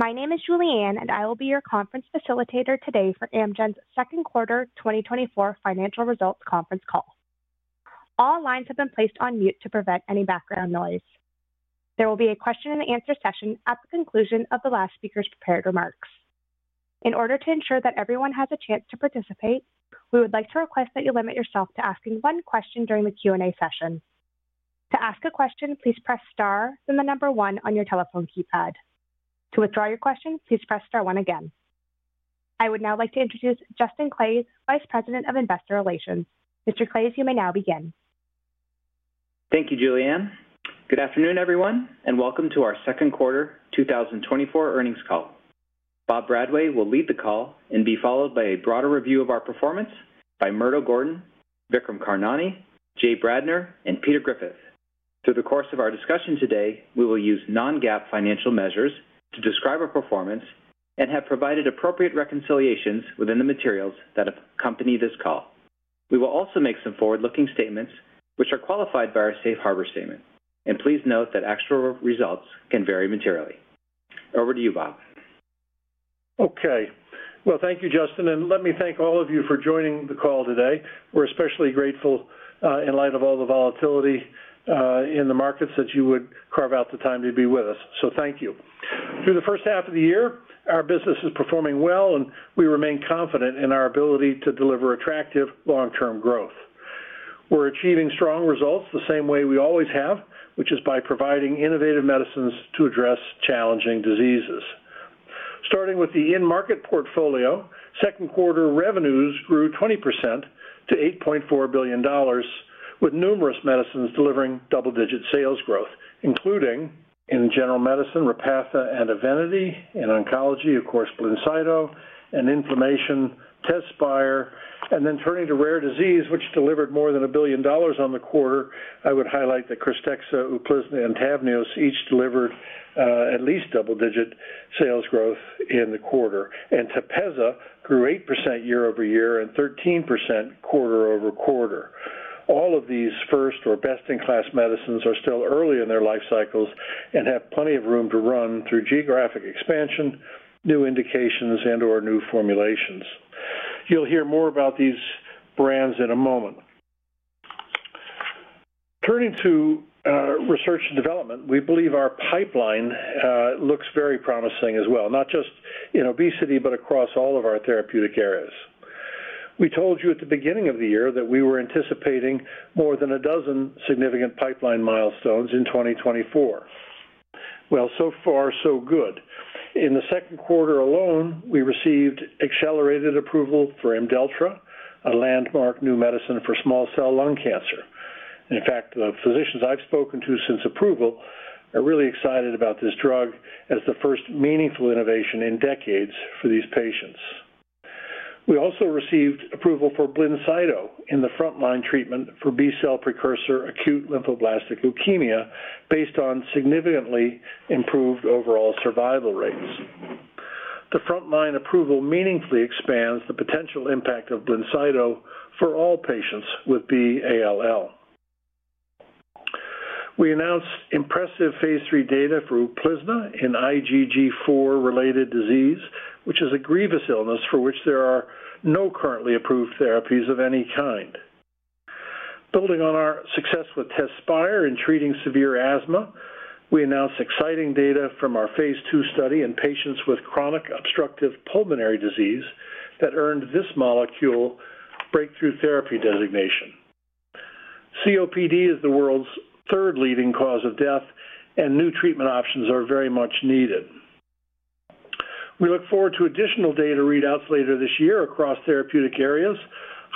My name is Julianne, and I will be your conference facilitator today for Amgen's second quarter 2024 financial results conference call. All lines have been placed on mute to prevent any background noise. There will be a question and answer session at the conclusion of the last speaker's prepared remarks. In order to ensure that everyone has a chance to participate, we would like to request that you limit yourself to asking one question during the Q&A session. To ask a question, please press star, then 1 on your telephone keypad. To withdraw your question, please press star 1 again. I would now like to introduce Justin Claeys, Vice President of Investor Relations. Mr. Claeys, you may now begin. Thank you, Julianne. Good afternoon, everyone, and welcome to our second quarter 2024 earnings call. Bob Bradway will lead the call and be followed by a broader review of our performance by Murdo Gordon, Vikram Karnani, Jay Bradner, and Peter Griffith. Through the course of our discussion today, we will use non-GAAP financial measures to describe our performance and have provided appropriate reconciliations within the materials that accompany this call. We will also make some forward-looking statements which are qualified by our Safe Harbor statement, and please note that actual results can vary materially. Over to you, Bob. Okay. Well, thank you, Justin, and let me thank all of you for joining the call today. We're especially grateful, in light of all the volatility, in the markets, that you would carve out the time to be with us. So thank you. Through the first half of the year, our business is performing well, and we remain confident in our ability to deliver attractive long-term growth. We're achieving strong results the same way we always have, which is by providing innovative medicines to address challenging diseases. Starting with the end market portfolio, second quarter revenues grew 20% to $8.4 billion, with numerous medicines delivering double-digit sales growth, including in general medicine, Repatha and Evenity, in oncology, of course, Blincyto, and inflammation, Tezspire. Then turning to rare disease, which delivered more than $1 billion in the quarter, I would highlight that KRYSTEXXA, Uplizna, and Tavneos each delivered at least double-digit sales growth in the quarter, and Tepezza grew 8% year-over-year and 13% quarter-over-quarter. All of these first or best-in-class medicines are still early in their life cycles and have plenty of room to run through geographic expansion, new indications, and/or new formulations. You'll hear more about these brands in a moment. Turning to research and development, we believe our pipeline looks very promising as well, not just in obesity, but across all of our therapeutic areas. We told you at the beginning of the year that we were anticipating more than a dozen significant pipeline milestones in 2024. Well, so far, so good. In the second quarter alone, we received accelerated approval for Imdelltra, a landmark new medicine for small cell lung cancer. In fact, the physicians I've spoken to since approval are really excited about this drug as the first meaningful innovation in decades for these patients. We also received approval for Blincyto in the frontline treatment for B-cell precursor acute lymphoblastic leukemia, based on significantly improved overall survival rates. The frontline approval meaningfully expands the potential impact of Blincyto for all patients with B-ALL. We announced impressive phase III data for Uplizna in IgG4-related disease, which is a grievous illness for which there are no currently approved therapies of any kind. Building on our success with Tezspire in treating severe asthma, we announced exciting data from our phase II study in patients with chronic obstructive pulmonary disease that earned this molecule Breakthrough Therapy designation. COPD is the world's third leading cause of death, and new treatment options are very much needed. We look forward to additional data readouts later this year across therapeutic areas,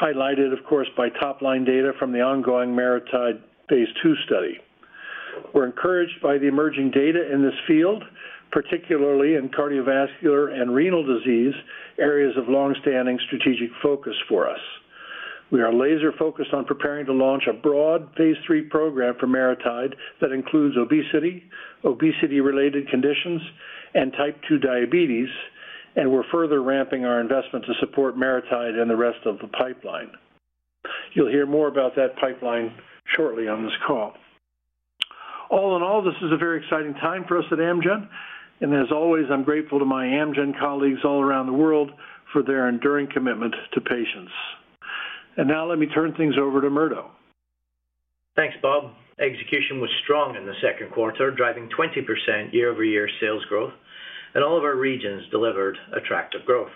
highlighted, of course, by top-line data from the ongoing MariTide phase II study. We're encouraged by the emerging data in this field, particularly in cardiovascular and renal disease, areas of long-standing strategic focus for us. We are laser-focused on preparing to launch a broad phase III program for MariTide that includes obesity, obesity-related conditions, and type 2 diabetes, and we're further ramping our investment to support MariTide and the rest of the pipeline. You'll hear more about that pipeline shortly on this call. All in all, this is a very exciting time for us at Amgen, and as always, I'm grateful to my Amgen colleagues all around the world for their enduring commitment to patients. Now let me turn things over to Murdo. Thanks, Bob. Execution was strong in the second quarter, driving 20% year-over-year sales growth, and all of our regions delivered attractive growth.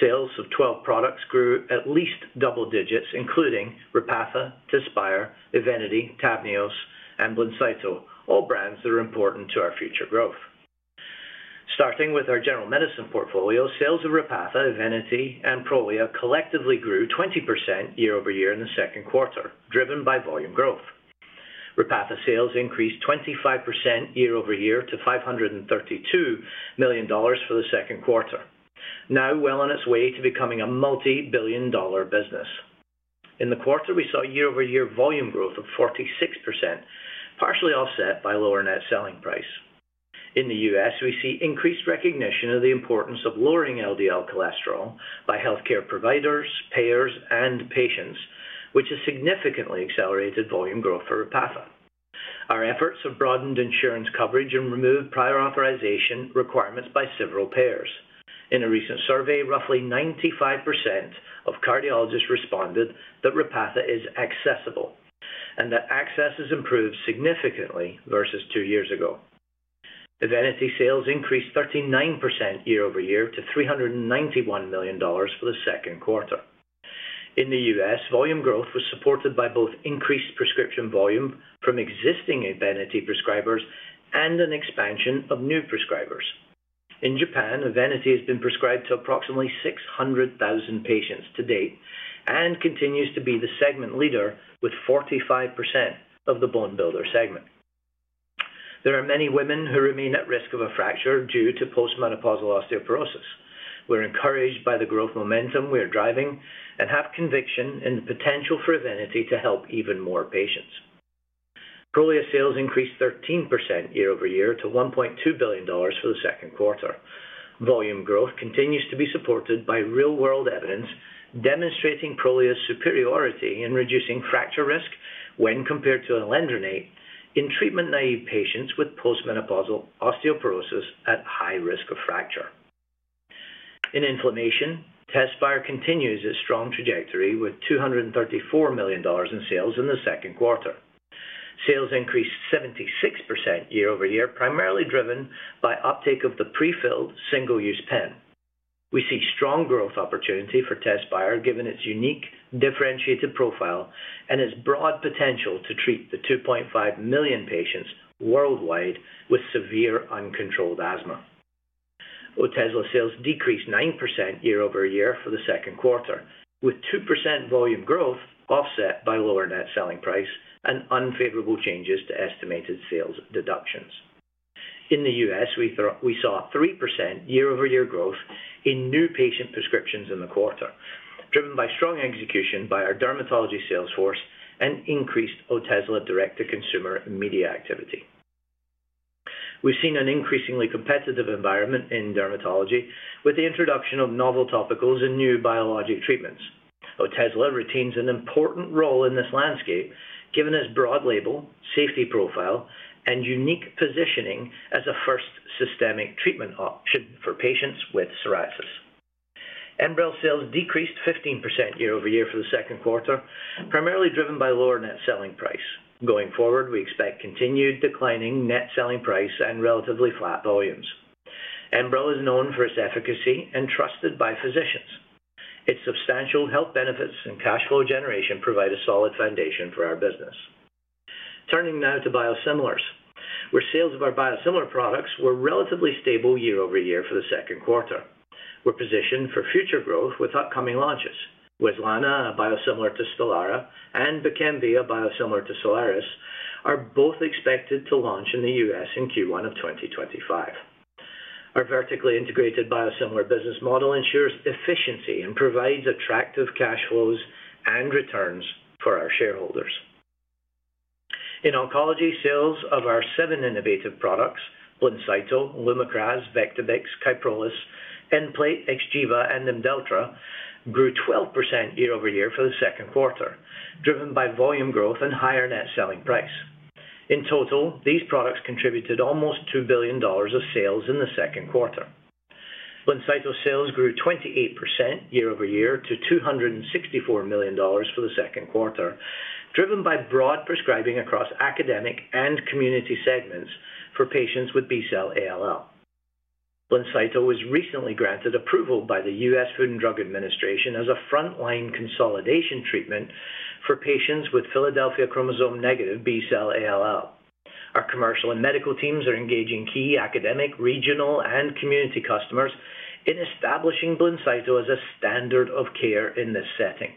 Sales of 12 products grew at least double digits, including Repatha, Tezspire, Evenity, Tavneos, and Blincyto, all brands that are important to our future growth. Starting with our general medicine portfolio, sales of Repatha, Evenity, and Prolia collectively grew 20% year-over-year in the second quarter, driven by volume growth. Repatha sales increased 25% year-over-year to $532 million for the second quarter, now well on its way to becoming a multi-billion dollar business. In the quarter, we saw year-over-year volume growth of 46%, partially offset by lower net selling price. In the U.S., we see increased recognition of the importance of lowering LDL cholesterol by healthcare providers, payers, and patients.... which has significantly accelerated volume growth for Repatha. Our efforts have broadened insurance coverage and removed prior authorization requirements by several payers. In a recent survey, roughly 95% of cardiologists responded that Repatha is accessible, and that access has improved significantly versus two years ago. Evenity sales increased 39% year-over-year to $391 million for the second quarter. In the US, volume growth was supported by both increased prescription volume from existing Evenity prescribers and an expansion of new prescribers. In Japan, Evenity has been prescribed to approximately 600,000 patients to date and continues to be the segment leader with 45% of the bone builder segment. There are many women who remain at risk of a fracture due to post-menopausal osteoporosis. We're encouraged by the growth momentum we are driving, and have conviction in the potential for Evenity to help even more patients. Prolia sales increased 13% year-over-year to $1.2 billion for the second quarter. Volume growth continues to be supported by real-world evidence, demonstrating Prolia's superiority in reducing fracture risk when compared to alendronate in treatment-naive patients with post-menopausal osteoporosis at high risk of fracture. In inflammation, Tezspire continues its strong trajectory with $234 million in sales in the second quarter. Sales increased 76% year-over-year, primarily driven by uptake of the prefilled single-use pen. We see strong growth opportunity for Tezspire, given its unique differentiated profile and its broad potential to treat the 2.5 million patients worldwide with severe uncontrolled asthma. Otezla sales decreased 9% year-over-year for the second quarter, with 2% volume growth offset by lower net selling price and unfavorable changes to estimated sales deductions. In the U.S., we saw 3% year-over-year growth in new patient prescriptions in the quarter, driven by strong execution by our dermatology sales force and increased Otezla direct-to-consumer media activity. We've seen an increasingly competitive environment in dermatology with the introduction of novel topicals and new biologic treatments. Otezla retains an important role in this landscape, given its broad label, safety profile, and unique positioning as a first systemic treatment option for patients with psoriasis. Enbrel sales decreased 15% year-over-year for the second quarter, primarily driven by lower net selling price. Going forward, we expect continued declining net selling price and relatively flat volumes. Enbrel is known for its efficacy and trusted by physicians. Its substantial health benefits and cash flow generation provide a solid foundation for our business. Turning now to biosimilars, where sales of our biosimilar products were relatively stable year-over-year for the second quarter. We're positioned for future growth with upcoming launches. Wezlana, a biosimilar to Stelara, and Bkemv, a biosimilar to Soliris, are both expected to launch in the U.S. in Q1 of 2025. Our vertically integrated biosimilar business model ensures efficiency and provides attractive cash flows and returns for our shareholders. In oncology, sales of our seven innovative products, Blincyto, Lumakras, Vectibix, Kyprolis, Nplate, Xgeva, and Imdelltra, grew 12% year-over-year for the second quarter, driven by volume growth and higher net selling price. In total, these products contributed almost $2 billion of sales in the second quarter. Blincyto sales grew 28% year-over-year to $264 million for the second quarter, driven by broad prescribing across academic and community segments for patients with B-cell ALL. Blincyto was recently granted approval by the US Food and Drug Administration as a frontline consolidation treatment for patients with Philadelphia chromosome negative B-cell ALL. Our commercial and medical teams are engaging key academic, regional, and community customers in establishing Blincyto as a standard of care in this setting.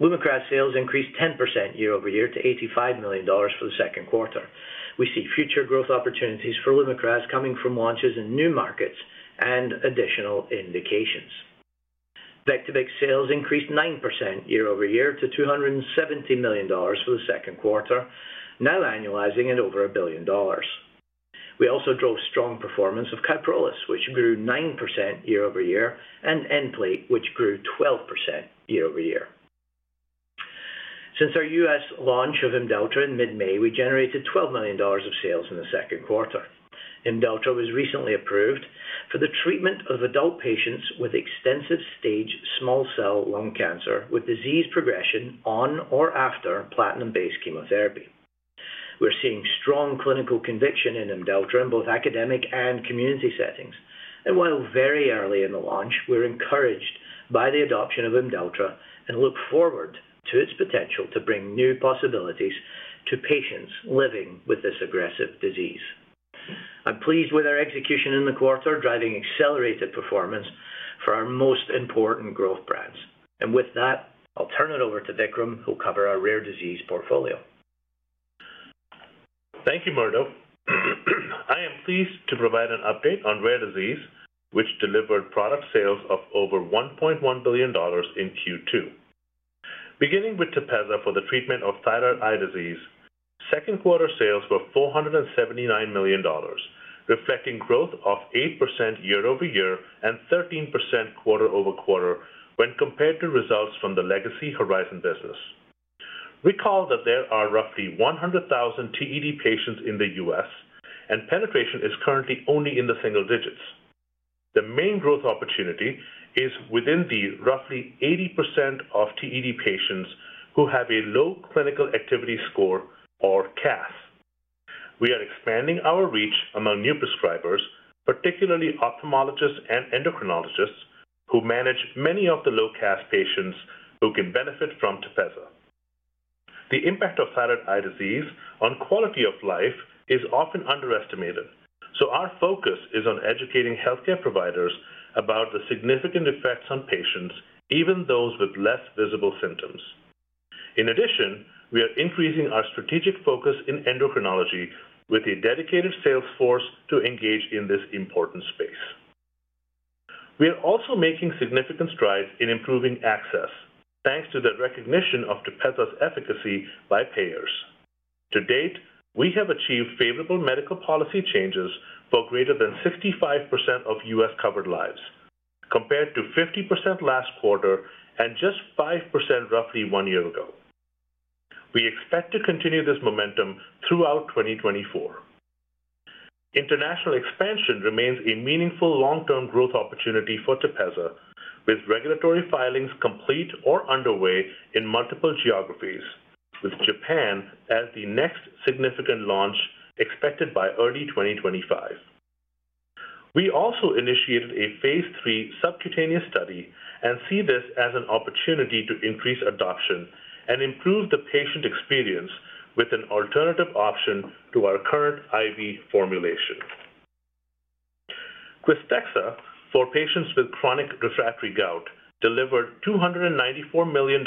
Lumakras sales increased 10% year-over-year to $85 million for the second quarter. We see future growth opportunities for Lumakras coming from launches in new markets and additional indications. Vectibix sales increased 9% year-over-year to $270 million for the second quarter, now annualizing at over $1 billion. We also drove strong performance of Kyprolis, which grew 9% year-over-year, and Nplate, which grew 12% year-over-year. Since our U.S. launch of Imdelltra in mid-May, we generated $12 million of sales in the second quarter. Imdelltra was recently approved for the treatment of adult patients with extensive stage small cell lung cancer, with disease progression on or after platinum-based chemotherapy. We're seeing strong clinical conviction in Imdelltra in both academic and community settings. And while very early in the launch, we're encouraged by the adoption of Imdelltra and look forward to its potential to bring new possibilities to patients living with this aggressive disease. I'm pleased with our execution in the quarter, driving accelerated performance for our most important growth brands. And with that, I'll turn it over to Vikram, who'll cover our rare disease portfolio. Thank you, Murdo. I am pleased to provide an update on rare disease, which delivered product sales of over $1.1 billion in Q2. Beginning with Tepezza for the treatment of thyroid eye disease. Second quarter sales were $479 million, reflecting growth of 8% year-over-year and 13% quarter-over-quarter when compared to results from the legacy Horizon business. Recall that there are roughly 100,000 TED patients in the U.S., and penetration is currently only in the single digits. The main growth opportunity is within the roughly 80% of TED patients who have a low clinical activity score, or CAS. We are expanding our reach among new prescribers, particularly ophthalmologists and endocrinologists, who manage many of the low CAS patients who can benefit from Tepezza. The impact of thyroid eye disease on quality of life is often underestimated, so our focus is on educating healthcare providers about the significant effects on patients, even those with less visible symptoms. In addition, we are increasing our strategic focus in endocrinology with a dedicated sales force to engage in this important space. We are also making significant strides in improving access, thanks to the recognition of Tepezza's efficacy by payers. To date, we have achieved favorable medical policy changes for greater than 65% of U.S.-covered lives, compared to 50% last quarter and just 5% roughly one year ago. We expect to continue this momentum throughout 2024. International expansion remains a meaningful long-term growth opportunity for Tepezza, with regulatory filings complete or underway in multiple geographies, with Japan as the next significant launch expected by early 2025. We also initiated a phase III subcutaneous study and see this as an opportunity to increase adoption and improve the patient experience with an alternative option to our current IV formulation. KRYSTEXXA, for patients with chronic refractory gout, delivered $294 million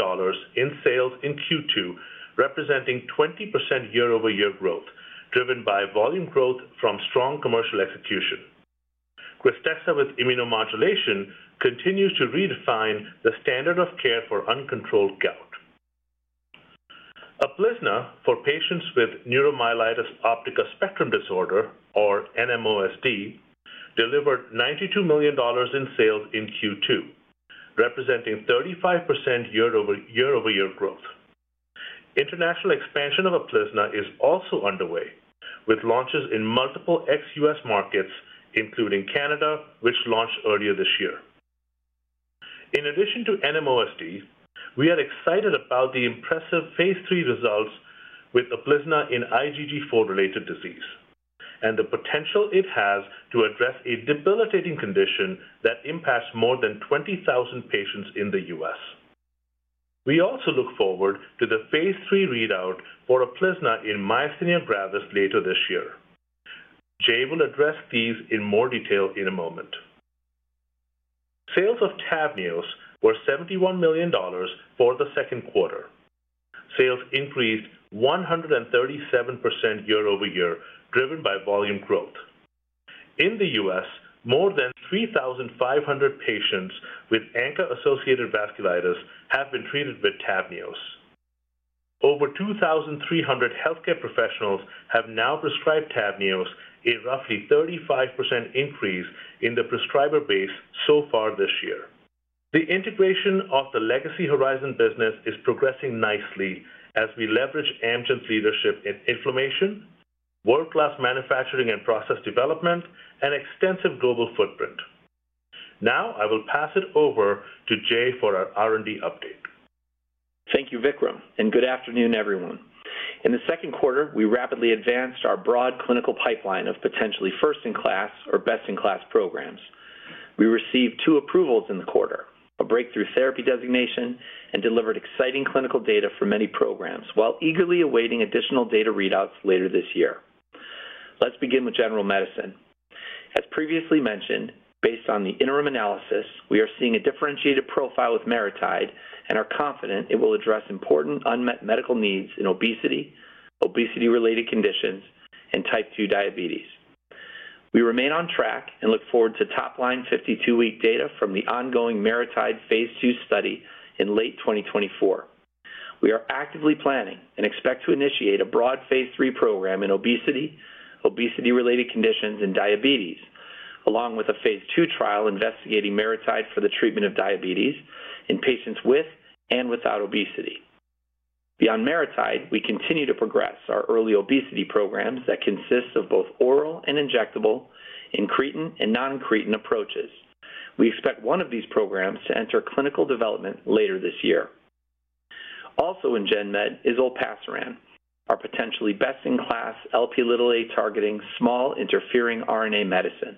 in sales in Q2, representing 20% year-over-year growth, driven by volume growth from strong commercial execution. KRYSTEXXA, with immunomodulation, continues to redefine the standard of care for uncontrolled gout. Uplizna, for patients with neuromyelitis optica spectrum disorder, or NMOSD, delivered $92 million in sales in Q2, representing 35% year-over-year growth. International expansion of Uplizna is also underway, with launches in multiple ex-US markets, including Canada, which launched earlier this year. In addition to NMOSD, we are excited about the impressive phase III results with Uplizna in IgG4-related disease and the potential it has to address a debilitating condition that impacts more than 20,000 patients in the U.S. We also look forward to the phase III readout for Uplizna in myasthenia gravis later this year. Jay will address these in more detail in a moment. Sales of Tavneos were $71 million for the second quarter. Sales increased 137% year-over-year, driven by volume growth. In the U.S., more than 3,500 patients with ANCA-associated vasculitis have been treated with Tavneos. Over 2,300 healthcare professionals have now prescribed Tavneos, a roughly 35% increase in the prescriber base so far this year. The integration of the legacy Horizon business is progressing nicely as we leverage Amgen's leadership in inflammation, world-class manufacturing and process development, and extensive global footprint. Now, I will pass it over to Jay for our R&D update. Thank you, Vikram, and good afternoon, everyone. In the second quarter, we rapidly advanced our broad clinical pipeline of potentially first-in-class or best-in-class programs. We received two approvals in the quarter, a breakthrough therapy designation, and delivered exciting clinical data for many programs, while eagerly awaiting additional data readouts later this year. Let's begin with general medicine. As previously mentioned, based on the interim analysis, we are seeing a differentiated profile with MariTide and are confident it will address important unmet medical needs in obesity, obesity-related conditions, and type 2 diabetes. We remain on track and look forward to top-line 52-week data from the ongoing MariTide phase II study in late 2024. We are actively planning and expect to initiate a broad phase III program in obesity, obesity-related conditions, and diabetes, along with a phase II trial investigating MariTide for the treatment of diabetes in patients with and without obesity. Beyond MariTide, we continue to progress our early obesity programs that consist of both oral and injectable, incretin, and non-incretin approaches. We expect one of these programs to enter clinical development later this year. Also in Gen Med is Olpasiran, our potentially best-in-class Lp targeting small interfering RNA medicine.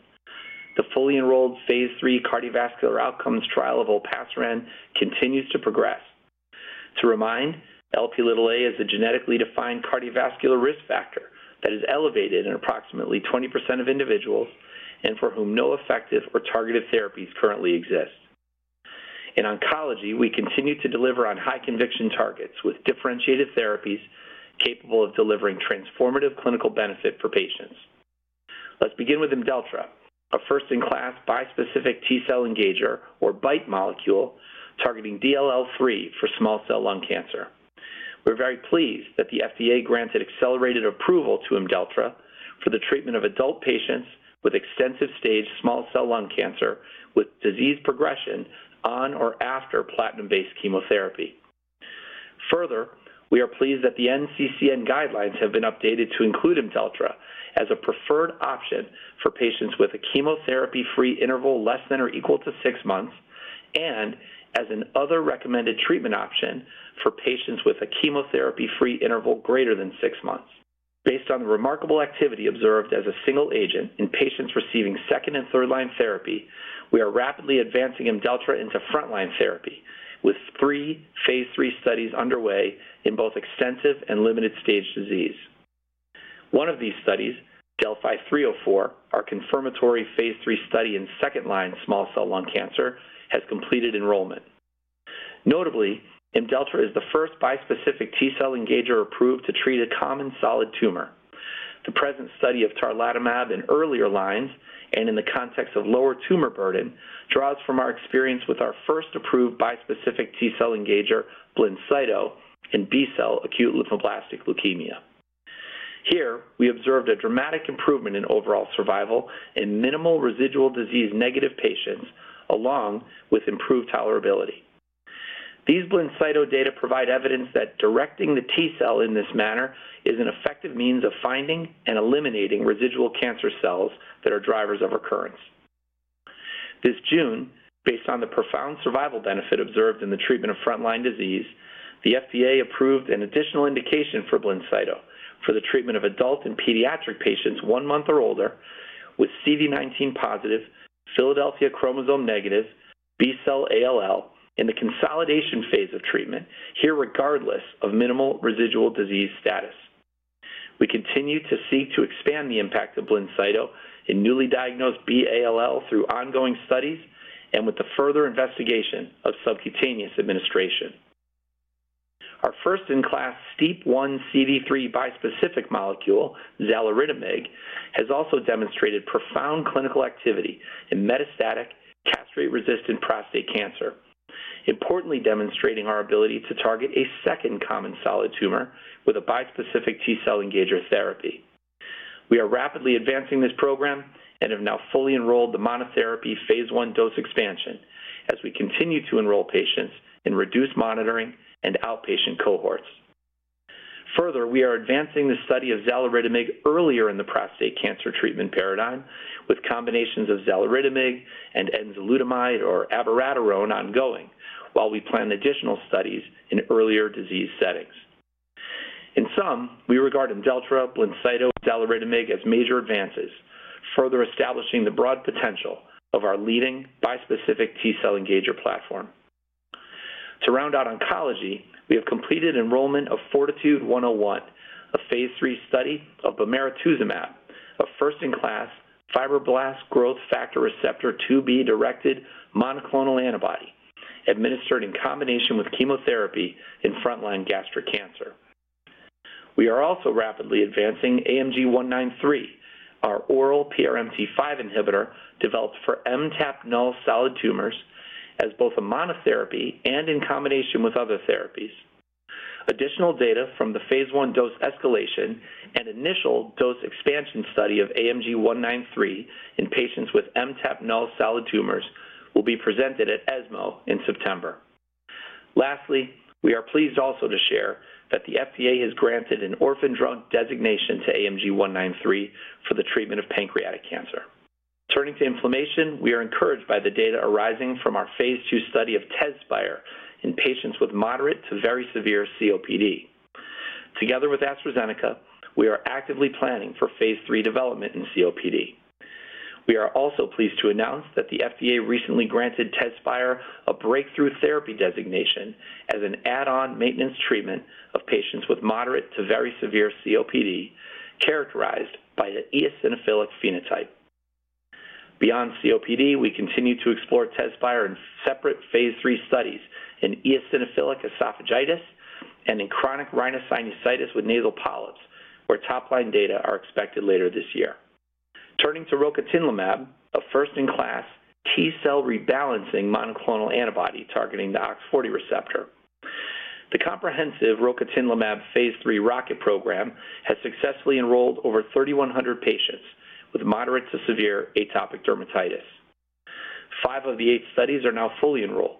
The fully enrolled phase III cardiovascular outcomes trial of Olpasiran continues to progress. To remind, Lp is a genetically defined cardiovascular risk factor that is elevated in approximately 20% of individuals and for whom no effective or targeted therapies currently exist. In oncology, we continue to deliver on high conviction targets with differentiated therapies capable of delivering transformative clinical benefit for patients.... Let's begin with Imdelltra, a first-in-class bispecific T-cell engager or BiTE molecule, targeting DLL3 for small cell lung cancer. We're very pleased that the FDA granted accelerated approval to Imdelltra for the treatment of adult patients with extensive stage small cell lung cancer with disease progression on or after platinum-based chemotherapy. Further, we are pleased that the NCCN guidelines have been updated to include Imdelltra as a preferred option for patients with a chemotherapy-free interval less than or equal to six months, and as another recommended treatment option for patients with a chemotherapy-free interval greater than six months. Based on the remarkable activity observed as a single agent in patients receiving second- and third-line therapy, we are rapidly advancing Imdelltra into frontline therapy, with three phase III studies underway in both extensive and limited stage disease. One of these studies, DeLLphi-304, our confirmatory phase III study in second-line small cell lung cancer, has completed enrollment. Notably, Imdelltra is the first bispecific T-cell engager approved to treat a common solid tumor. The present study of tarlatamab in earlier lines and in the context of lower tumor burden, draws from our experience with our first approved bispecific T-cell engager, Blincyto, in B-cell acute lymphoblastic leukemia. Here, we observed a dramatic improvement in overall survival in minimal residual disease-negative patients, along with improved tolerability. These Blincyto data provide evidence that directing the T-cell in this manner is an effective means of finding and eliminating residual cancer cells that are drivers of recurrence. This June, based on the profound survival benefit observed in the treatment of frontline disease, the FDA approved an additional indication for Blincyto for the treatment of adult and pediatric patients one month or older with CD19-positive, Philadelphia chromosome-negative, B-cell ALL in the consolidation phase of treatment, here, regardless of minimal residual disease status. We continue to seek to expand the impact of Blincyto in newly diagnosed B-ALL through ongoing studies and with the further investigation of subcutaneous administration. Our first-in-class STEAP1 x CD3 bispecific molecule, xaluritamig, has also demonstrated profound clinical activity in metastatic castrate-resistant prostate cancer, importantly demonstrating our ability to target a second common solid tumor with a bispecific T-cell engager therapy. We are rapidly advancing this program and have now fully enrolled the monotherapy phase I dose expansion as we continue to enroll patients in reduced monitoring and outpatient cohorts. Further, we are advancing the study of xaluritamig earlier in the prostate cancer treatment paradigm, with combinations of xaluritamig and enzalutamide or abiraterone ongoing, while we plan additional studies in earlier disease settings. In sum, we regard Imdelltra, Blincyto, xaluritamig as major advances, further establishing the broad potential of our leading bispecific T-cell engager platform. To round out oncology, we have completed enrollment of FORTITUDE-101, a phase III study of bemarituzumab, a first-in-class fibroblast growth factor receptor 2b-directed monoclonal antibody, administered in combination with chemotherapy in frontline gastric cancer. We are also rapidly advancing AMG 193, our oral PRMT5 inhibitor developed for MTAP-null solid tumors as both a monotherapy and in combination with other therapies. Additional data from the phase I dose escalation and initial dose expansion study of AMG 193 in patients with MTAP-null solid tumors will be presented at ESMO in September. Lastly, we are pleased also to share that the FDA has granted an orphan drug designation to AMG 193 for the treatment of pancreatic cancer. Turning to inflammation, we are encouraged by the data arising from our phase II study of Tezspire in patients with moderate to very severe COPD. Together with AstraZeneca, we are actively planning for phase III development in COPD. We are also pleased to announce that the FDA recently granted Tezspire a breakthrough therapy designation as an add-on maintenance treatment of patients with moderate to very severe COPD, characterized by the eosinophilic phenotype. Beyond COPD, we continue to explore Tezspire in separate phase III studies in eosinophilic esophagitis and in chronic rhinosinusitis with nasal polyps, where top-line data are expected later this year. Turning to rocatinlimab, a first-in-class T-cell rebalancing monoclonal antibody targeting the OX40 receptor. The comprehensive rocatinlimab phase III ROCKET program has successfully enrolled over 3,100 patients with moderate to severe atopic dermatitis. Five of the eight studies are now fully enrolled.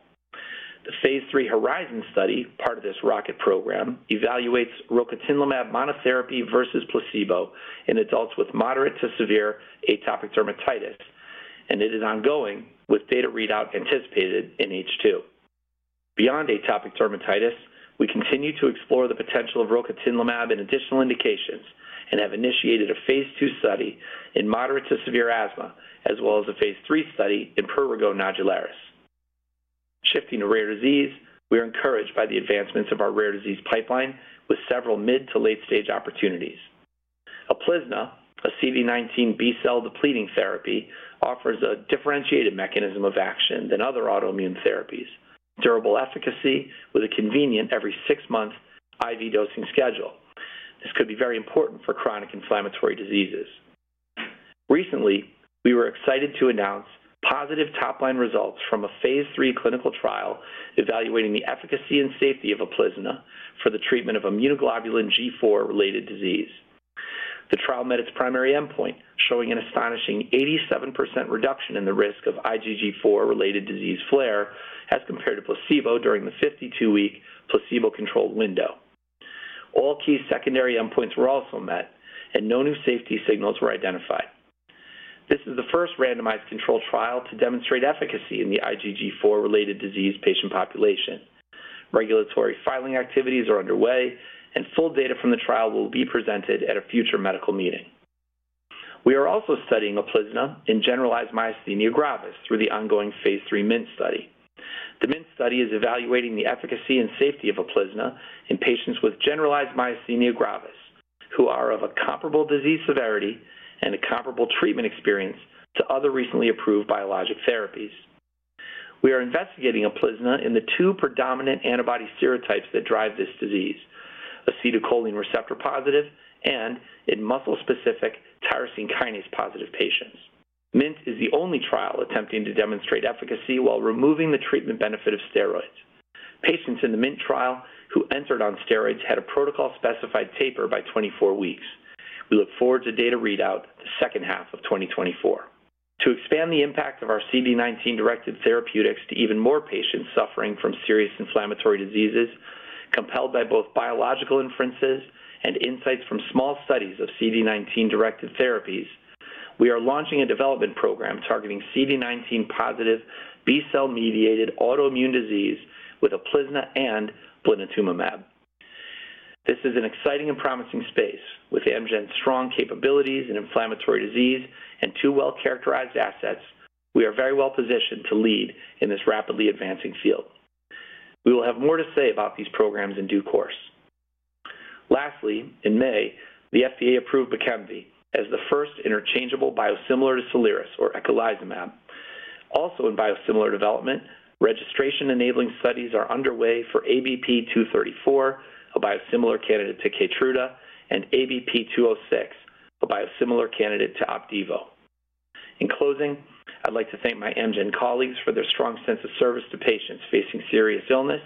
The phase III HORIZON study, part of this ROCKET program, evaluates rocatinlimab monotherapy versus placebo in adults with moderate to severe atopic dermatitis, and it is ongoing with data readout anticipated in H2. Beyond atopic dermatitis, we continue to explore the potential of rocatinlimab in additional indications and have initiated a phase II study in moderate to severe asthma, as well as a phase III study in prurigo nodularis. Shifting to rare disease, we are encouraged by the advancements of our rare disease pipeline with several mid to late-stage opportunities. Uplizna, a CD19 B-cell depleting therapy, offers a differentiated mechanism of action than other autoimmune therapies, durable efficacy with a convenient every six-month- IV dosing schedule. This could be very important for chronic inflammatory diseases. Recently, we were excited to announce positive top-line results from a phase III clinical trial evaluating the efficacy and safety of Uplizna for the treatment of immunoglobulin G4-related disease. The trial met its primary endpoint, showing an astonishing 87% reduction in the risk of IgG4-related disease flare as compared to placebo during the 52-week placebo-controlled window. All key secondary endpoints were also met, and no new safety signals were identified. This is the first randomized controlled trial to demonstrate efficacy in the IgG4-related disease patient population. Regulatory filing activities are underway, and full data from the trial will be presented at a future medical meeting. We are also studying Uplizna in generalized myasthenia gravis through the ongoing phase III MINT study. The MINT study is evaluating the efficacy and safety of Uplizna in patients with generalized myasthenia gravis, who are of a comparable disease severity and a comparable treatment experience to other recently approved biologic therapies. We are investigating Uplizna in the two predominant antibody serotypes that drive this disease: acetylcholine receptor-positive and muscle-specific tyrosine kinase-positive patients. MINT is the only trial attempting to demonstrate efficacy while removing the treatment benefit of steroids. Patients in the MINT trial who entered on steroids had a protocol-specified taper by 24 weeks. We look forward to data readout the second half of 2024. To expand the impact of our CD19-directed therapeutics to even more patients suffering from serious inflammatory diseases, compelled by both biological inferences and insights from small studies of CD19-directed therapies, we are launching a development program targeting CD19 positive B-cell-mediated autoimmune disease with Uplizna and blinatumomab. This is an exciting and promising space. With Amgen's strong capabilities in inflammatory disease and two well-characterized assets, we are very well positioned to lead in this rapidly advancing field. We will have more to say about these programs in due course. Lastly, in May, the FDA approved Bkemv as the first interchangeable biosimilar to Soliris or eculizumab. Also in biosimilar development, registration-enabling studies are underway for ABP 234, a biosimilar candidate to Keytruda, and ABP 206, a biosimilar candidate to Opdivo. In closing, I'd like to thank my Amgen colleagues for their strong sense of service to patients facing serious illness,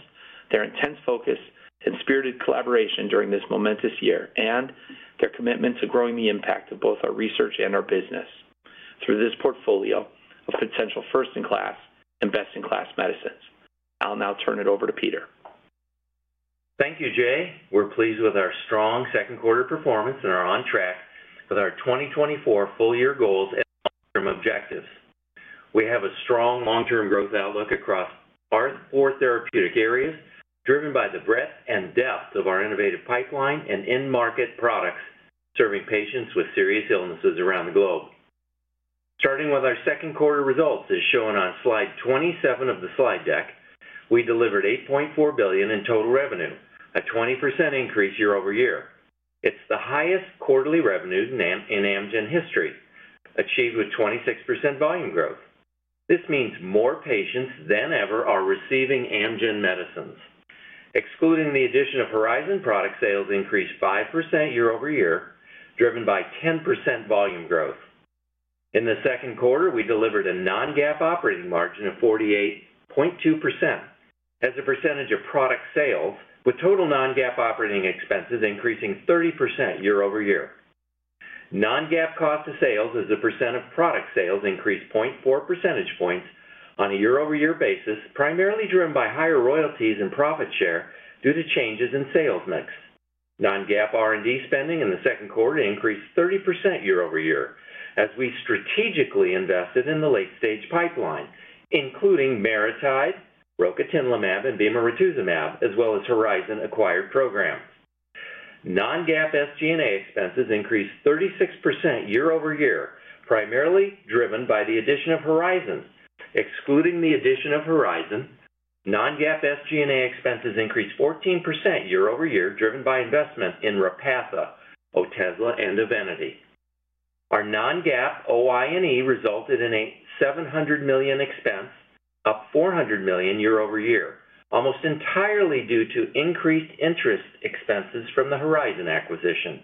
their intense focus and spirited collaboration during this momentous year, and their commitment to growing the impact of both our research and our business through this portfolio of potential first-in-class and best-in-class medicines. I'll now turn it over to Peter. Thank you, Jay. We're pleased with our strong second quarter performance and are on track with our 2024 full year goals and long-term objectives. We have a strong long-term growth outlook across our four therapeutic areas, driven by the breadth and depth of our innovative pipeline and end market products, serving patients with serious illnesses around the globe. Starting with our second quarter results, as shown on slide 27 of the slide deck, we delivered $8.4 billion in total revenue, a 20% increase year-over-year. It's the highest quarterly revenue in Amgen history, achieved with 26% volume growth. This means more patients than ever are receiving Amgen medicines. Excluding the addition of Horizon, product sales increased 5% year-over-year, driven by 10% volume growth. In the second quarter, we delivered a non-GAAP operating margin of 48.2% as a percentage of product sales, with total non-GAAP operating expenses increasing 30% year-over-year. Non-GAAP cost of sales as a percent of product sales increased 0.4% points on a year-over-year basis, primarily driven by higher royalties and profit share due to changes in sales mix. Non-GAAP R&D spending in the second quarter increased 30% year-over-year as we strategically invested in the late-stage pipeline, including MariTide, rocatinlimab, and bemarituzumab, as well as Horizon-acquired programs. Non-GAAP SG&A expenses increased 36% year-over-year, primarily driven by the addition of Horizon. Excluding the addition of Horizon, non-GAAP SG&A expenses increased 14% year-over-year, driven by investment in Repatha, Otezla, and Evenity. Our non-GAAP OI&E resulted in a $700 million expense, up $400 million year-over-year, almost entirely due to increased interest expenses from the Horizon acquisition.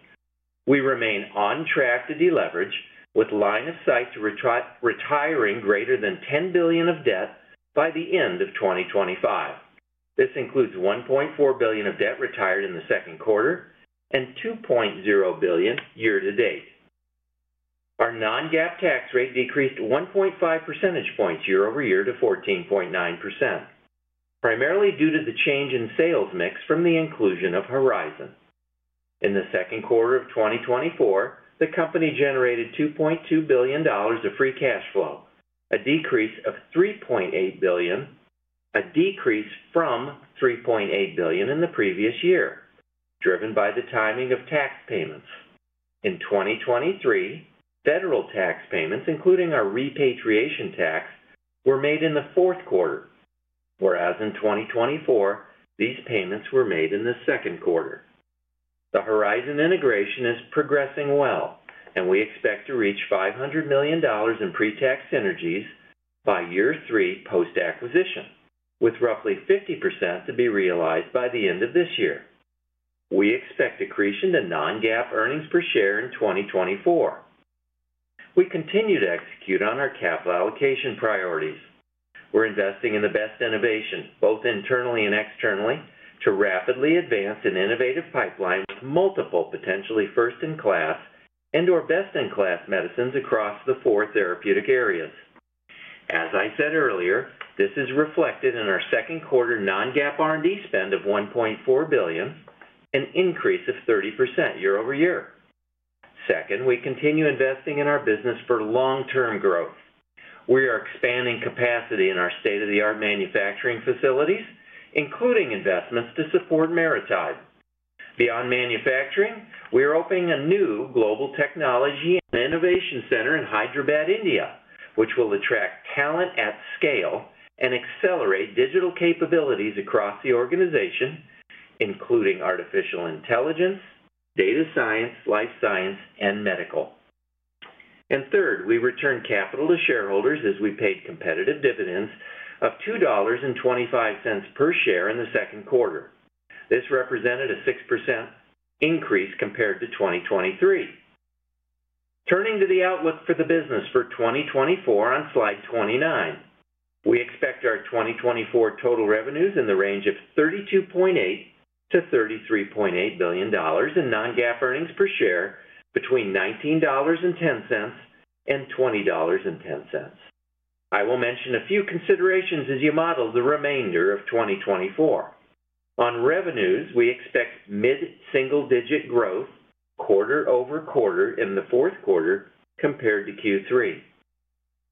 We remain on track to deleverage, with line of sight to retiring greater than $10 billion of debt by the end of 2025. This includes $1.4 billion of debt retired in the second quarter and $2.0 billion year-to-date. Our non-GAAP tax rate decreased 1.5% points year-over-year to 14.9%, primarily due to the change in sales mix from the inclusion of Horizon. In the second quarter of 2024, the company generated $2.2 billion of free cash flow, a decrease of $3.8 billion from $3.8 billion in the previous year, driven by the timing of tax payments. In 2023, federal tax payments, including our repatriation tax, were made in the fourth quarter, whereas in 2024, these payments were made in the second quarter. The Horizon integration is progressing well, and we expect to reach $500 million in pretax synergies by year three post-acquisition, with roughly 50% to be realized by the end of this year. We expect accretion to Non-GAAP earnings per share in 2024. We continue to execute on our capital allocation priorities. We're investing in the best innovation, both internally and externally, to rapidly advance an innovative pipeline with multiple potentially first-in-class and/or best-in-class medicines across the 4 therapeutic areas. As I said earlier, this is reflected in our second quarter Non-GAAP R&D spend of $1.4 billion, an increase of 30% year-over-year. Second, we continue investing in our business for long-term growth. We are expanding capacity in our state-of-the-art manufacturing facilities, including investments to support MariTide. Beyond manufacturing, we are opening a new global technology and innovation center in Hyderabad, India, which will attract talent at scale and accelerate digital capabilities across the organization, including artificial intelligence, data science, life science, and medical. And third, we return capital to shareholders as we paid competitive dividends of $2.25 per share in the second quarter. This represented a 6% increase compared to 2023. Turning to the outlook for the business for 2024 on slide 29. We expect our 2024 total revenues in the range of $32.8 billion-$33.8 billion, and non-GAAP earnings per share between $19.10 and $20.10. I will mention a few considerations as you model the remainder of 2024. On revenues, we expect mid-single-digit growth quarter-over-quarter in the fourth quarter compared to Q3.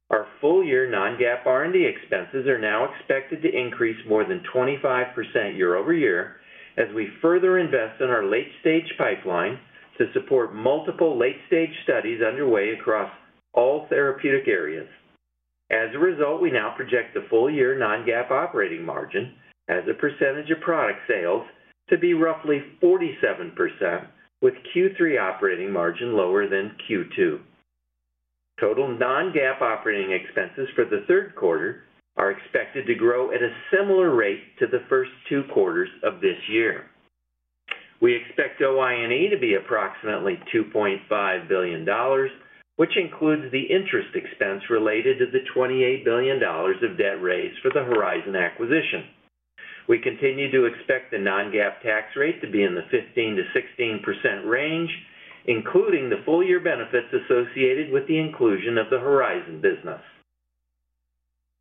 Our full-year non-GAAP R&D expenses are now expected to increase more than 25% year-over-year, as we further invest in our late-stage pipeline to support multiple late-stage studies underway across all therapeutic areas. As a result, we now project the full-year non-GAAP operating margin as a percentage of product sales to be roughly 47%, with Q3 operating margin lower than Q2. Total non-GAAP operating expenses for the third quarter are expected to grow at a similar rate to the first two quarters of this year. We expect OI&E We continue to expect the non-GAAP tax rate to be in the 15%-16% range, including the full year benefits associated with the inclusion of the Horizon business.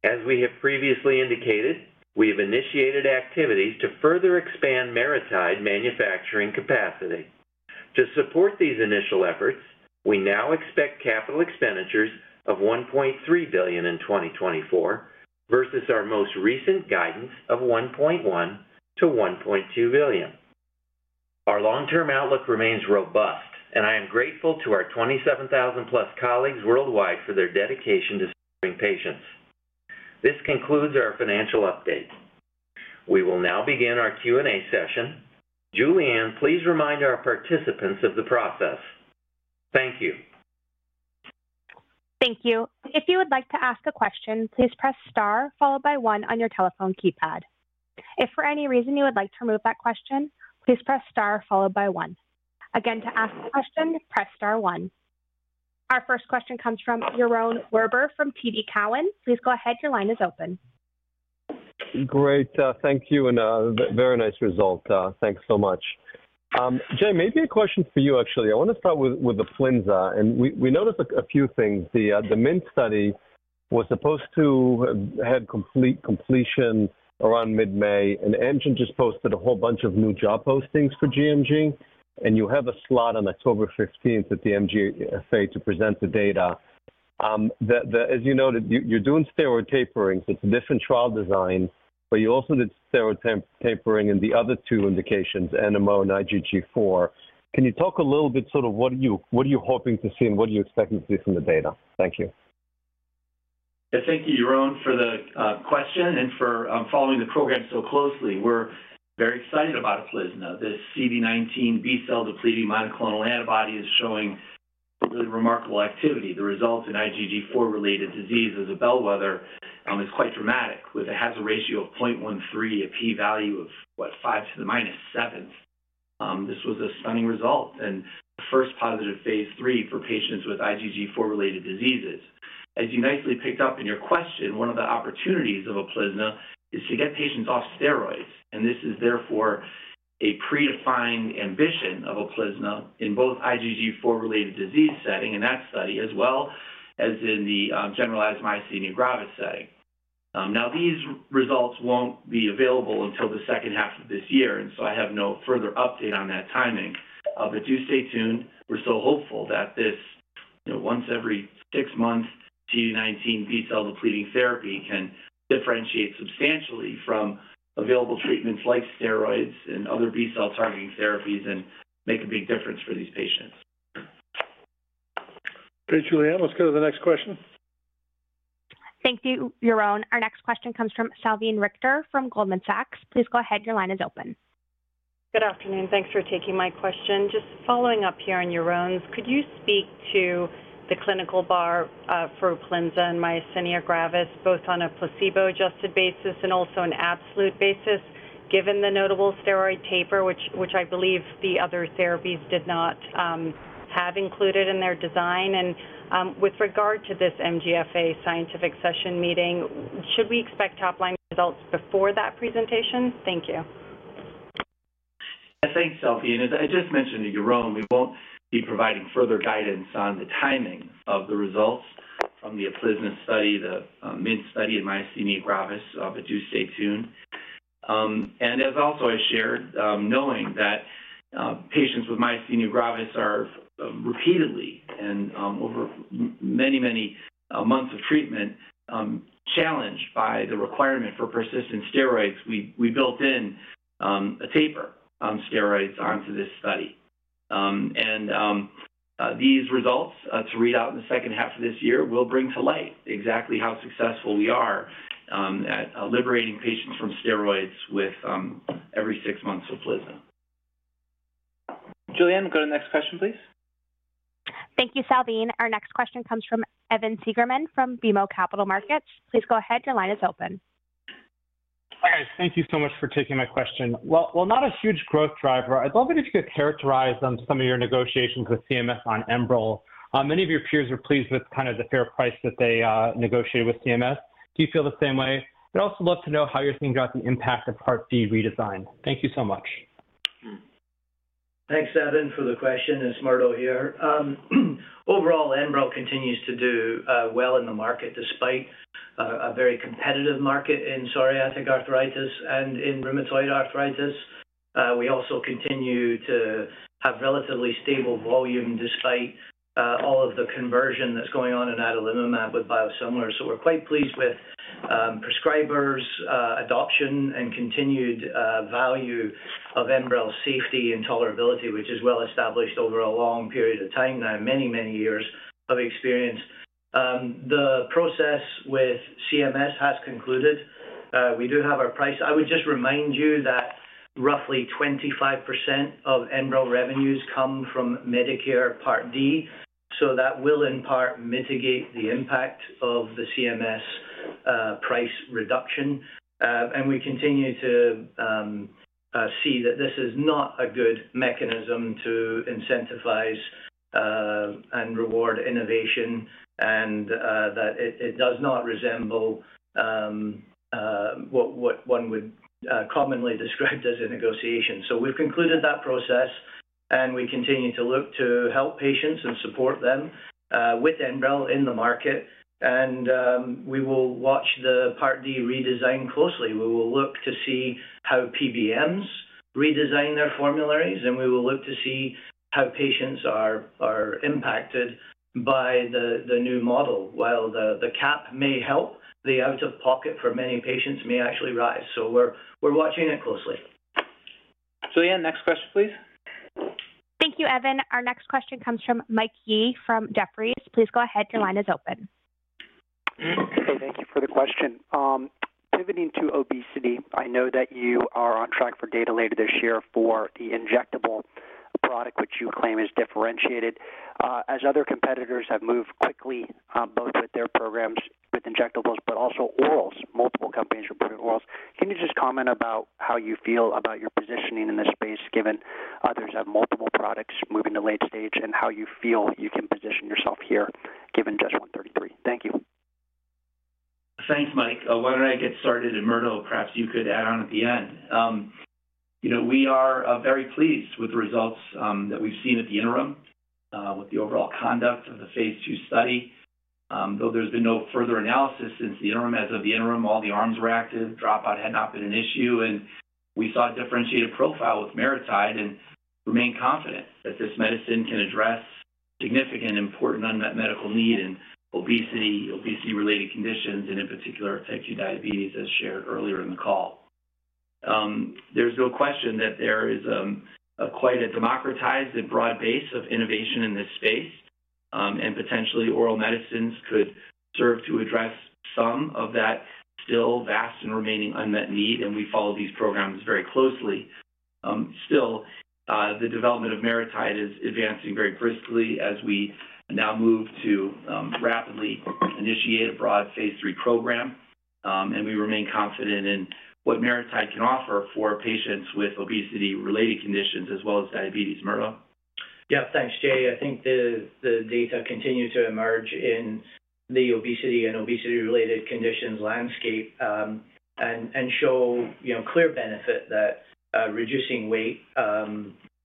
As we have previously indicated, we have initiated activities to further expand MariTide manufacturing capacity. To support these initial efforts, we now expect capital expenditures of $1.3 billion in 2024 versus our most recent guidance of $1.1 billion-$1.2 billion. Our long-term outlook remains robust, and I am grateful to our 27,000+ colleagues worldwide for their dedication to serving patients. This concludes our financial update. We will now begin our Q&A session. Julianne, please remind our participants of the process. Thank you. Thank you. If you would like to ask a question, please press star followed by one on your telephone keypad. If for any reason you would like to remove that question, please press star followed by one. Again, to ask a question, press star one. Our first question comes from Yaron Werber from TD Cowen. Please go ahead. Your line is open. Great, thank you and, very nice result. Thanks so much. Jay, maybe a question for you, actually. I want to start with the Uplizna, and we noticed a few things. The MINT study was supposed to have completion around mid-May, and Amgen just posted a whole bunch of new job postings for gMG, and you have a slot on October 15th at the MGFA to present the data. As you noted, you're doing steroid tapering, so it's a different trial design, but you also did steroid tapering in the other two indications, NMO and IgG4. Can you talk a little bit sort of what are you, what are you hoping to see and what are you expecting to see from the data? Thank you. Thank you, Yaron, for the question and for following the program so closely. We're very excited about Uplizna. This CD19 B cell depleting monoclonal antibody is showing really remarkable activity. The results in IgG4-related diseases, as a bellwether, is quite dramatic, with a hazard ratio of 0.13, a P value of 5 × 10^{-7}. This was a stunning result and first positive phase III for patients with IgG4-related diseases. As you nicely picked up in your question, one of the opportunities of Uplizna is to get patients off steroids, and this is therefore a predefined ambition of Uplizna in both IgG4-related disease setting in that study, as well as in the generalized myasthenia gravis setting. Now, these results won't be available until the second half of this year, and so I have no further update on that timing. But do stay tuned. We're so hopeful that this, you know, once every six months, CD19 B cell depleting therapy can differentiate substantially from available treatments like steroids and other B cell targeting therapies and make a big difference for these patients.... Okay, Julianne, let's go to the next question. Thank you, Jeroen. Our next question comes from Salveen Richter from Goldman Sachs. Please go ahead. Your line is open. Good afternoon. Thanks for taking my question. Just following up here on Jeroen's, could you speak to the clinical bar for Uplizna and myasthenia gravis, both on a placebo-adjusted basis and also an absolute basis, given the notable steroid taper, which I believe the other therapies did not have included in their design? And with regard to this MGFA scientific session meeting, should we expect top-line results before that presentation? Thank you. Thanks, Salveen. As I just mentioned to Jeroen, we won't be providing further guidance on the timing of the results from the Uplizna study, the MINT study in myasthenia gravis, but do stay tuned. And as also I shared, knowing that patients with myasthenia gravis are repeatedly and over many, many months of treatment challenged by the requirement for persistent steroids, we built in a taper on steroids onto this study. And these results to read out in the second half of this year will bring to light exactly how successful we are at liberating patients from steroids with every six months of Uplizna. Julianne, go to the next question, please. Thank you, Salveen. Our next question comes from Evan Segerman from BMO Capital Markets. Please go ahead. Your line is open. Hi, guys. Thank you so much for taking my question. Well, while not a huge growth driver, I'd love it if you could characterize on some of your negotiations with CMS on Enbrel. Many of your peers are pleased with kind of the fair price that they negotiated with CMS. Do you feel the same way? I'd also love to know how you're thinking about the impact of Part D redesign. Thank you so much. Thanks, Evan, for the question. It's Murdo here. Overall, Enbrel continues to do well in the market, despite a very competitive market in psoriatic arthritis and in rheumatoid arthritis. We also continue to have relatively stable volume despite all of the conversion that's going on in adalimumab with biosimilars. So we're quite pleased with prescribers adoption and continued value of Enbrel safety and tolerability, which is well established over a long period of time now, many, many years of experience. The process with CMS has concluded. We do have our price. I would just remind you that roughly 25% of Enbrel revenues come from Medicare Part D, so that will in part mitigate the impact of the CMS price reduction. And we continue to see that this is not a good mechanism to incentivize and reward innovation, and that it does not resemble what one would commonly describe as a negotiation. So we've concluded that process, and we continue to look to help patients and support them with Enbrel in the market. And we will watch the Part D redesign closely. We will look to see how PBMs redesign their formularies, and we will look to see how patients are impacted by the new model. While the cap may help, the out-of-pocket for many patients may actually rise, so we're watching it closely. Julianne, next question, please. Thank you, Evan. Our next question comes from Mike Yee from Jefferies. Please go ahead. Your line is open. Hey, thank you for the question. Pivoting to obesity, I know that you are on track for data later this year for the injectable product, which you claim is differentiated. As other competitors have moved quickly, both with their programs, with injectables, but also orals, multiple companies with oral. Can you just comment about how you feel about your positioning in this space, given others have multiple products moving to late stage, and how you feel you can position yourself here, given just 133? Thank you. Thanks, Mike. Why don't I get started, and, Myrtle, perhaps you could add on at the end. You know, we are very pleased with the results that we've seen at the interim with the overall conduct of the phase II study. Though there's been no further analysis since the interim, as of the interim, all the arms were active, dropout had not been an issue, and we saw a differentiated profile with MariTide and remain confident that this medicine can address significant important unmet medical need in obesity, obesity-related conditions, and in particular, type 2 diabetes, as shared earlier in the call. There's no question that there is quite a democratized and broad base of innovation in this space, and potentially oral medicines could serve to address some of that still vast and remaining unmet need, and we follow these programs very closely. Still, the development of MariTide is advancing very briskly as we now move to rapidly initiate a broad phase III program, and we remain confident in what MariTide can offer for patients with obesity-related conditions as well as diabetes. Myrtle? Yes, thanks, Jay. I think the data continue to emerge in the obesity and obesity-related conditions landscape, and show, you know, clear benefit that reducing weight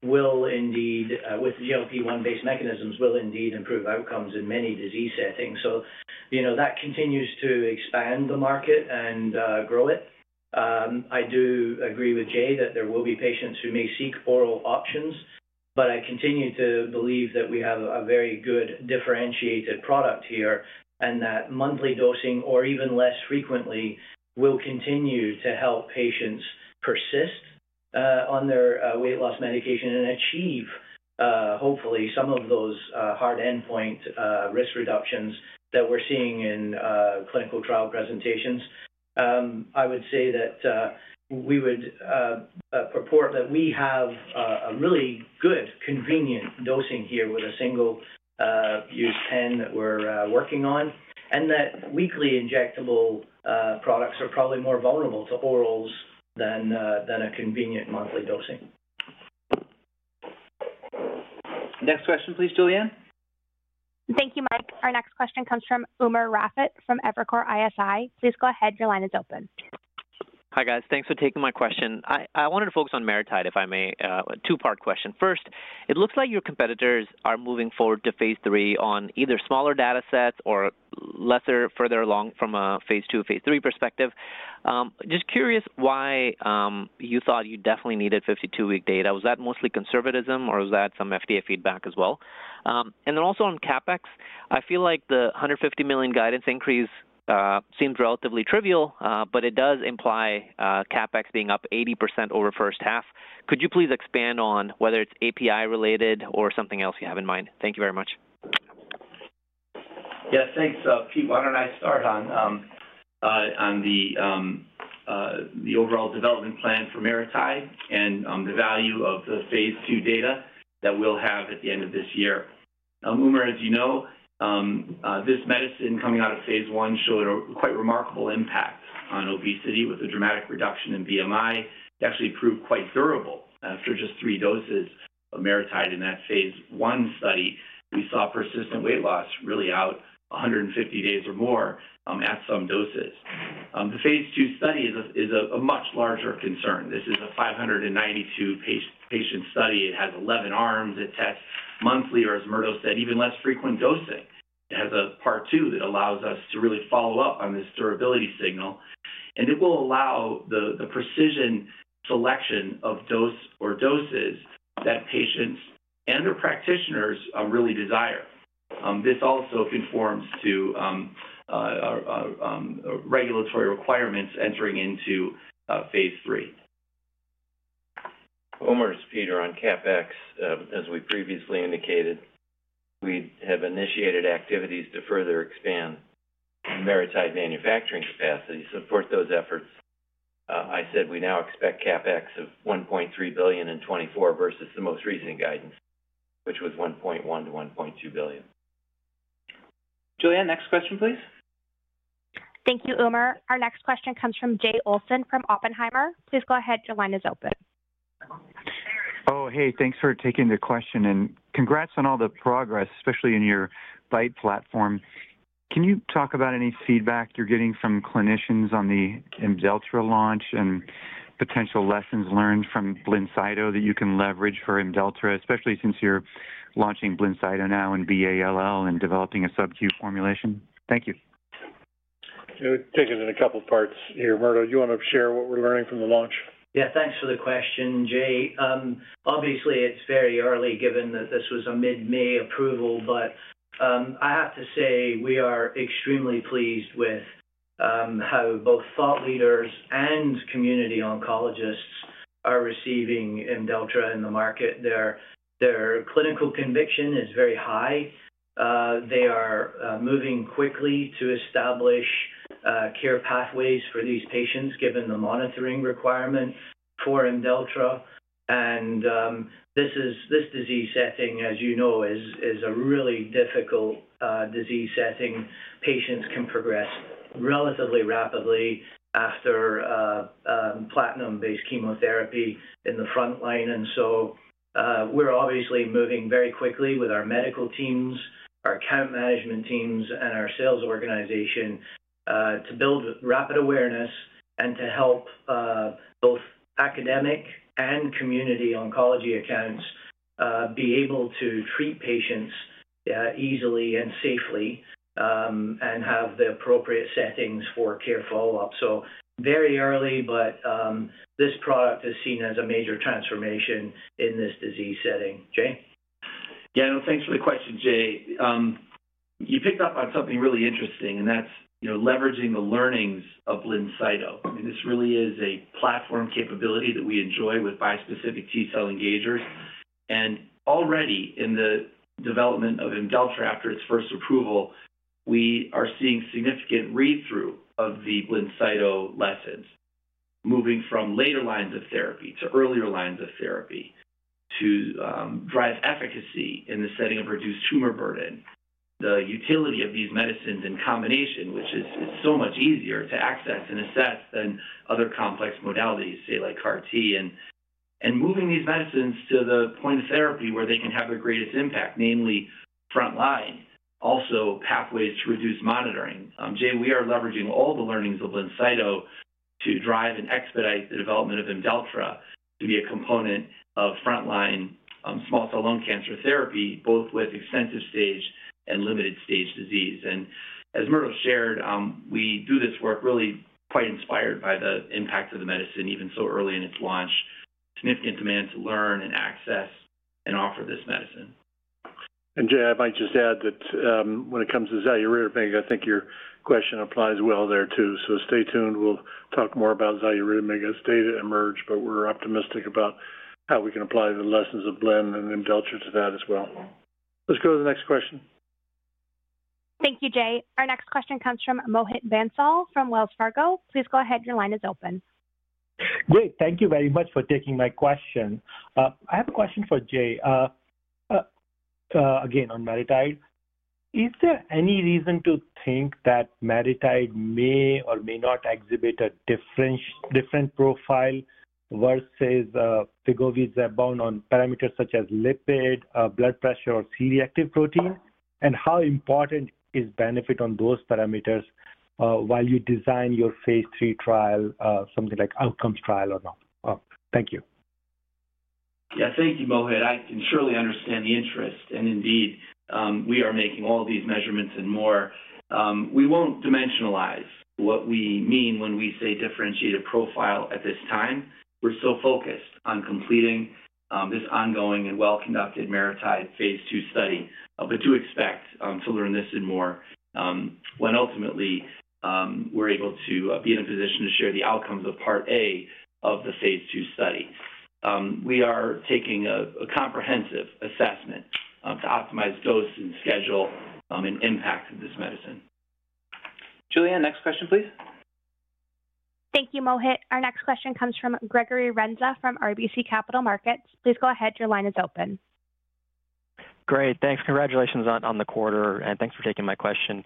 will indeed, with GLP-1-based mechanisms, will indeed improve outcomes in many disease settings. So, you know, that continues to expand the market and grow it. I do agree with Jay that there will be patients who may seek oral options, but I continue to believe that we have a very good differentiated product here, and that monthly dosing, or even less frequently, will continue to help patients persist on their weight loss medication and achieve, hopefully some of those hard endpoint risk reductions that we're seeing in clinical trial presentations. I would say that we would purport that we have a really good convenient dosing here with a single use pen that we're working on, and that weekly injectable products are probably more vulnerable to orals than a convenient monthly dosing. Next question, please, Julianne. Thank you, Mike. Our next question comes from Umer Raffat from Evercore ISI. Please go ahead. Your line is open. Hi, guys. Thanks for taking my question. I wanted to focus on MariTide, if I may. A two-part question. First, it looks like your competitors are moving forward to phase III on either smaller datasets or lesser further along from a phase II to phase III perspective. Just curious why you thought you definitely needed 52-week data? Was that mostly conservatism, or was that some FDA feedback as well? And then also on CapEx, I feel like the $150 million guidance increase seems relatively trivial, but it does imply CapEx being up 80% over first half. Could you please expand on whether it's API related or something else you have in mind? Thank you very much. Yes, thanks, Pete. Why don't I start on the overall development plan for MariTide and the value of the phase II data that we'll have at the end of this year? Umer, as you know, this medicine coming out of phase I showed a quite remarkable impact on obesity, with a dramatic reduction in BMI. It actually proved quite durable. After just three doses of MariTide in that phase I study, we saw persistent weight loss, really out 150 days or more, at some doses. The phase II study is a much larger concern. This is a 592-patient study. It has 11 arms. It tests monthly, or as Murdo said, even less frequent dosing. It has a part two that allows us to really follow up on this durability signal, and it will allow the precision selection of dose or doses that patients and/or practitioners really desire. This also conforms to regulatory requirements entering into phase III. Umer, it's Peter. On CapEx, as we previously indicated, we have initiated activities to further expand MariTide manufacturing capacity. To support those efforts, I said we now expect CapEx of $1.3 billion in 2024 versus the most recent guidance, which was $1.1 billion-$1.2 billion. Julianne, next question, please. Thank you, Umer. Our next question comes from Jay Olson from Oppenheimer. Please go ahead. Your line is open. Oh, hey, thanks for taking the question, and congrats on all the progress, especially in your BiTE platform. Can you talk about any feedback you're getting from clinicians on the Imdelltra launch and potential lessons learned from Blincyto that you can leverage for Imdelltra, especially since you're launching Blincyto now in B-ALL and developing a sub-Q formulation? Thank you. Take it in a couple parts here. Myrtle, do you want to share what we're learning from the launch? Yeah. Thanks for the question, Jay. Obviously, it's very early, given that this was a mid-May approval, but, I have to say, we are extremely pleased with, how both thought leaders and community oncologists are receiving Imdelltra in the market. Their clinical conviction is very high. They are moving quickly to establish care pathways for these patients, given the monitoring requirements for Imdelltra, and, this is. This disease setting, as you know, is a really difficult disease setting. Patients can progress relatively rapidly after platinum-based chemotherapy in the front line, and so we're obviously moving very quickly with our medical teams, our account management teams, and our sales organization to build rapid awareness and to help both academic and community oncology accounts be able to treat patients easily and safely and have the appropriate settings for care follow-up. So very early, but this product is seen as a major transformation in this disease setting. Jay? Yeah. No, thanks for the question, Jay. You picked up on something really interesting, and that's, you know, leveraging the learnings of Blincyto. I mean, this really is a platform capability that we enjoy with bispecific T-cell engagers. And already in the development of Imdelltra after its first approval, we are seeing significant read-through of the Blincyto lessons, moving from later lines of therapy to earlier lines of therapy to drive efficacy in the setting of reduced tumor burden, the utility of these medicines in combination, which is so much easier to access and assess than other complex modalities, say, like CAR T, and moving these medicines to the point of therapy where they can have the greatest impact, namely front line, also pathways to reduce monitoring. Jay, we are leveraging all the learnings of Blincyto to drive and expedite the development of Imdelltra to be a component of frontline small cell lung cancer therapy, both with extensive stage and limited stage disease. As Murdo shared, we do this work really quite inspired by the impact of the medicine, even so early in its launch. Significant demand to learn and access and offer this medicine. ... Jay, I might just add that, when it comes to xaluritamig, I think your question applies well there, too. So stay tuned. We'll talk more about xaluritamig as data emerge, but we're optimistic about how we can apply the lessons of Blincyto and Imdelltra to that as well. Let's go to the next question. Thank you, Jay. Our next question comes from Mohit Bansal from Wells Fargo. Please go ahead. Your line is open. Great. Thank you very much for taking my question. I have a question for Jay. Again, on MariTide. Is there any reason to think that MariTide may or may not exhibit a different profile versus tirzepatide's Zepbound on parameters such as lipid, blood pressure, or C-reactive protein? And how important is benefit on those parameters while you design your phase III trial, something like outcomes trial or not? Thank you. Yeah. Thank you, Mohit. I can surely understand the interest, and indeed, we are making all these measurements and more. We won't dimensionalize what we mean when we say differentiated profile at this time. We're so focused on completing this ongoing and well-conducted Meritage phase II study. But do expect to learn this and more when ultimately we're able to be in a position to share the outcomes of Part A of the phase II study. We are taking a comprehensive assessment to optimize dose and schedule and impact of this medicine. Julianne, next question, please. Thank you, Mohit. Our next question comes from Gregory Renza, from RBC Capital Markets. Please go ahead. Your line is open. Great, thanks. Congratulations on the quarter, and thanks for taking my question.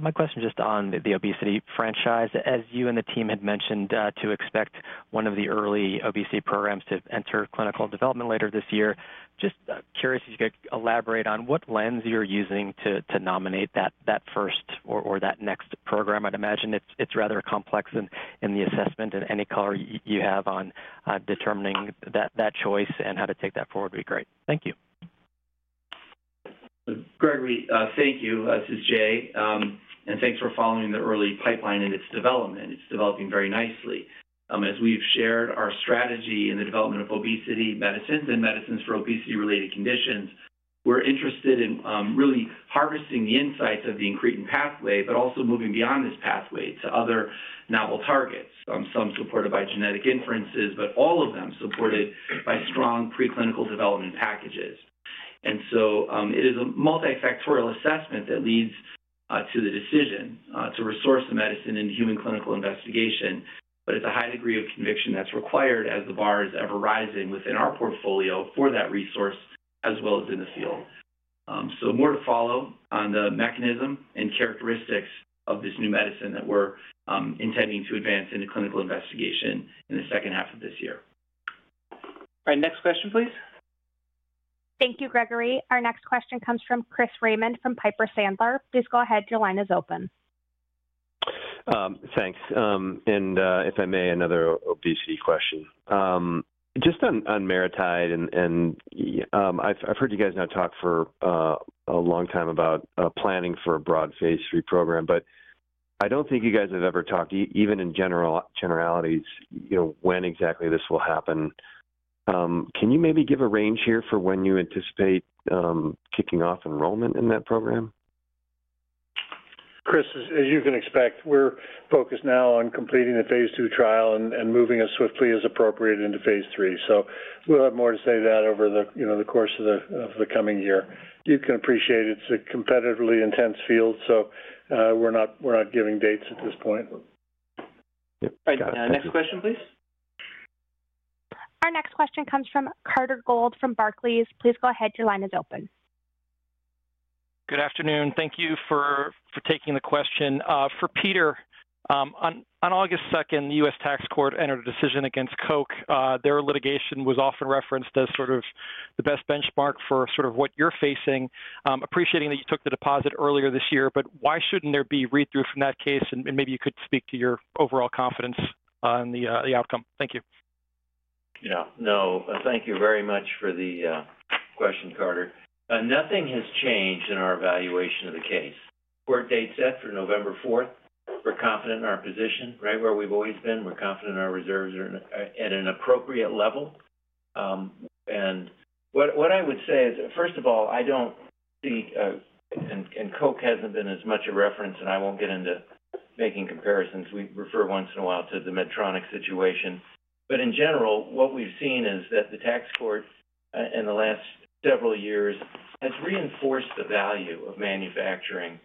My question is just on the obesity franchise. As you and the team had mentioned, to expect one of the early obesity programs to enter clinical development later this year. Just curious if you could elaborate on what lens you're using to nominate that first or that next program. I'd imagine it's rather complex in the assessment and any color you have on determining that choice and how to take that forward would be great. Thank you. Gregory, thank you. This is Jay, and thanks for following the early pipeline and its development. It's developing very nicely. As we've shared our strategy in the development of obesity medicines and medicines for obesity-related conditions, we're interested in really harvesting the insights of the incretin pathway, but also moving beyond this pathway to other novel targets, some supported by genetic inferences, but all of them supported by strong preclinical development packages. And so, it is a multifactorial assessment that leads to the decision to resource the medicine in human clinical investigation. But it's a high degree of conviction that's required as the bar is ever rising within our portfolio for that resource as well as in the field. So more to follow on the mechanism and characteristics of this new medicine that we're intending to advance in a clinical investigation in the second half of this year. All right, next question, please. Thank you, Gregory. Our next question comes from Chris Raymond from Piper Sandler. Please go ahead. Your line is open. Thanks. And, if I may, another obesity question. Just on Meritage, and, I've heard you guys now talk for a long time about planning for a broad phase III program, but I don't think you guys have ever talked even in generalities, you know, when exactly this will happen. Can you maybe give a range here for when you anticipate kicking off enrollment in that program? Chris, as you can expect, we're focused now on completing the phase II trial and moving as swiftly as appropriate into phase III. So we'll have more to say to that over the, you know, course of the coming year. You can appreciate it's a competitively intense field, so we're not giving dates at this point. Yep. All right. Next question, please. Our next question comes from Carter Gould, from Barclays. Please go ahead. Your line is open. Good afternoon. Thank you for, for taking the question. For Peter, on August second, the US Tax Court entered a decision against Koch. Their litigation was often referenced as sort of the best benchmark for sort of what you're facing. Appreciating that you took the deposit earlier this year, but why shouldn't there be read-through from that case? And maybe you could speak to your overall confidence on the outcome. Thank you. Yeah. No, thank you very much for the question, Carter. Nothing has changed in our evaluation of the case. Court date set for November fourth. We're confident in our position, right where we've always been. We're confident our reserves are at, at an appropriate level. And what, what I would say is, first of all, I don't see, and, and Koch hasn't been as much a reference, and I won't get into making comparisons. We refer once in a while to the Medtronic situation, but in general, what we've seen is that the tax court, in the last several years, has reinforced the value of manufacturing,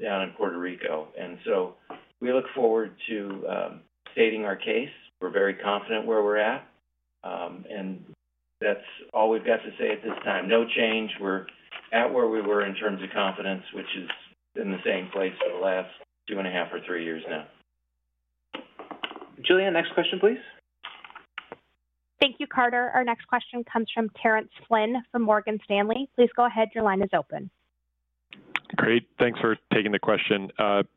down in Puerto Rico. And so we look forward to stating our case. We're very confident where we're at, and that's all we've got to say at this time. No change. We're at where we were in terms of confidence, which is in the same place for the last 2.5 or three years now. Julianne, next question, please. Thank you, Carter. Our next question comes from Terence Flynn from Morgan Stanley. Please go ahead. Your line is open. Great, thanks for taking the question.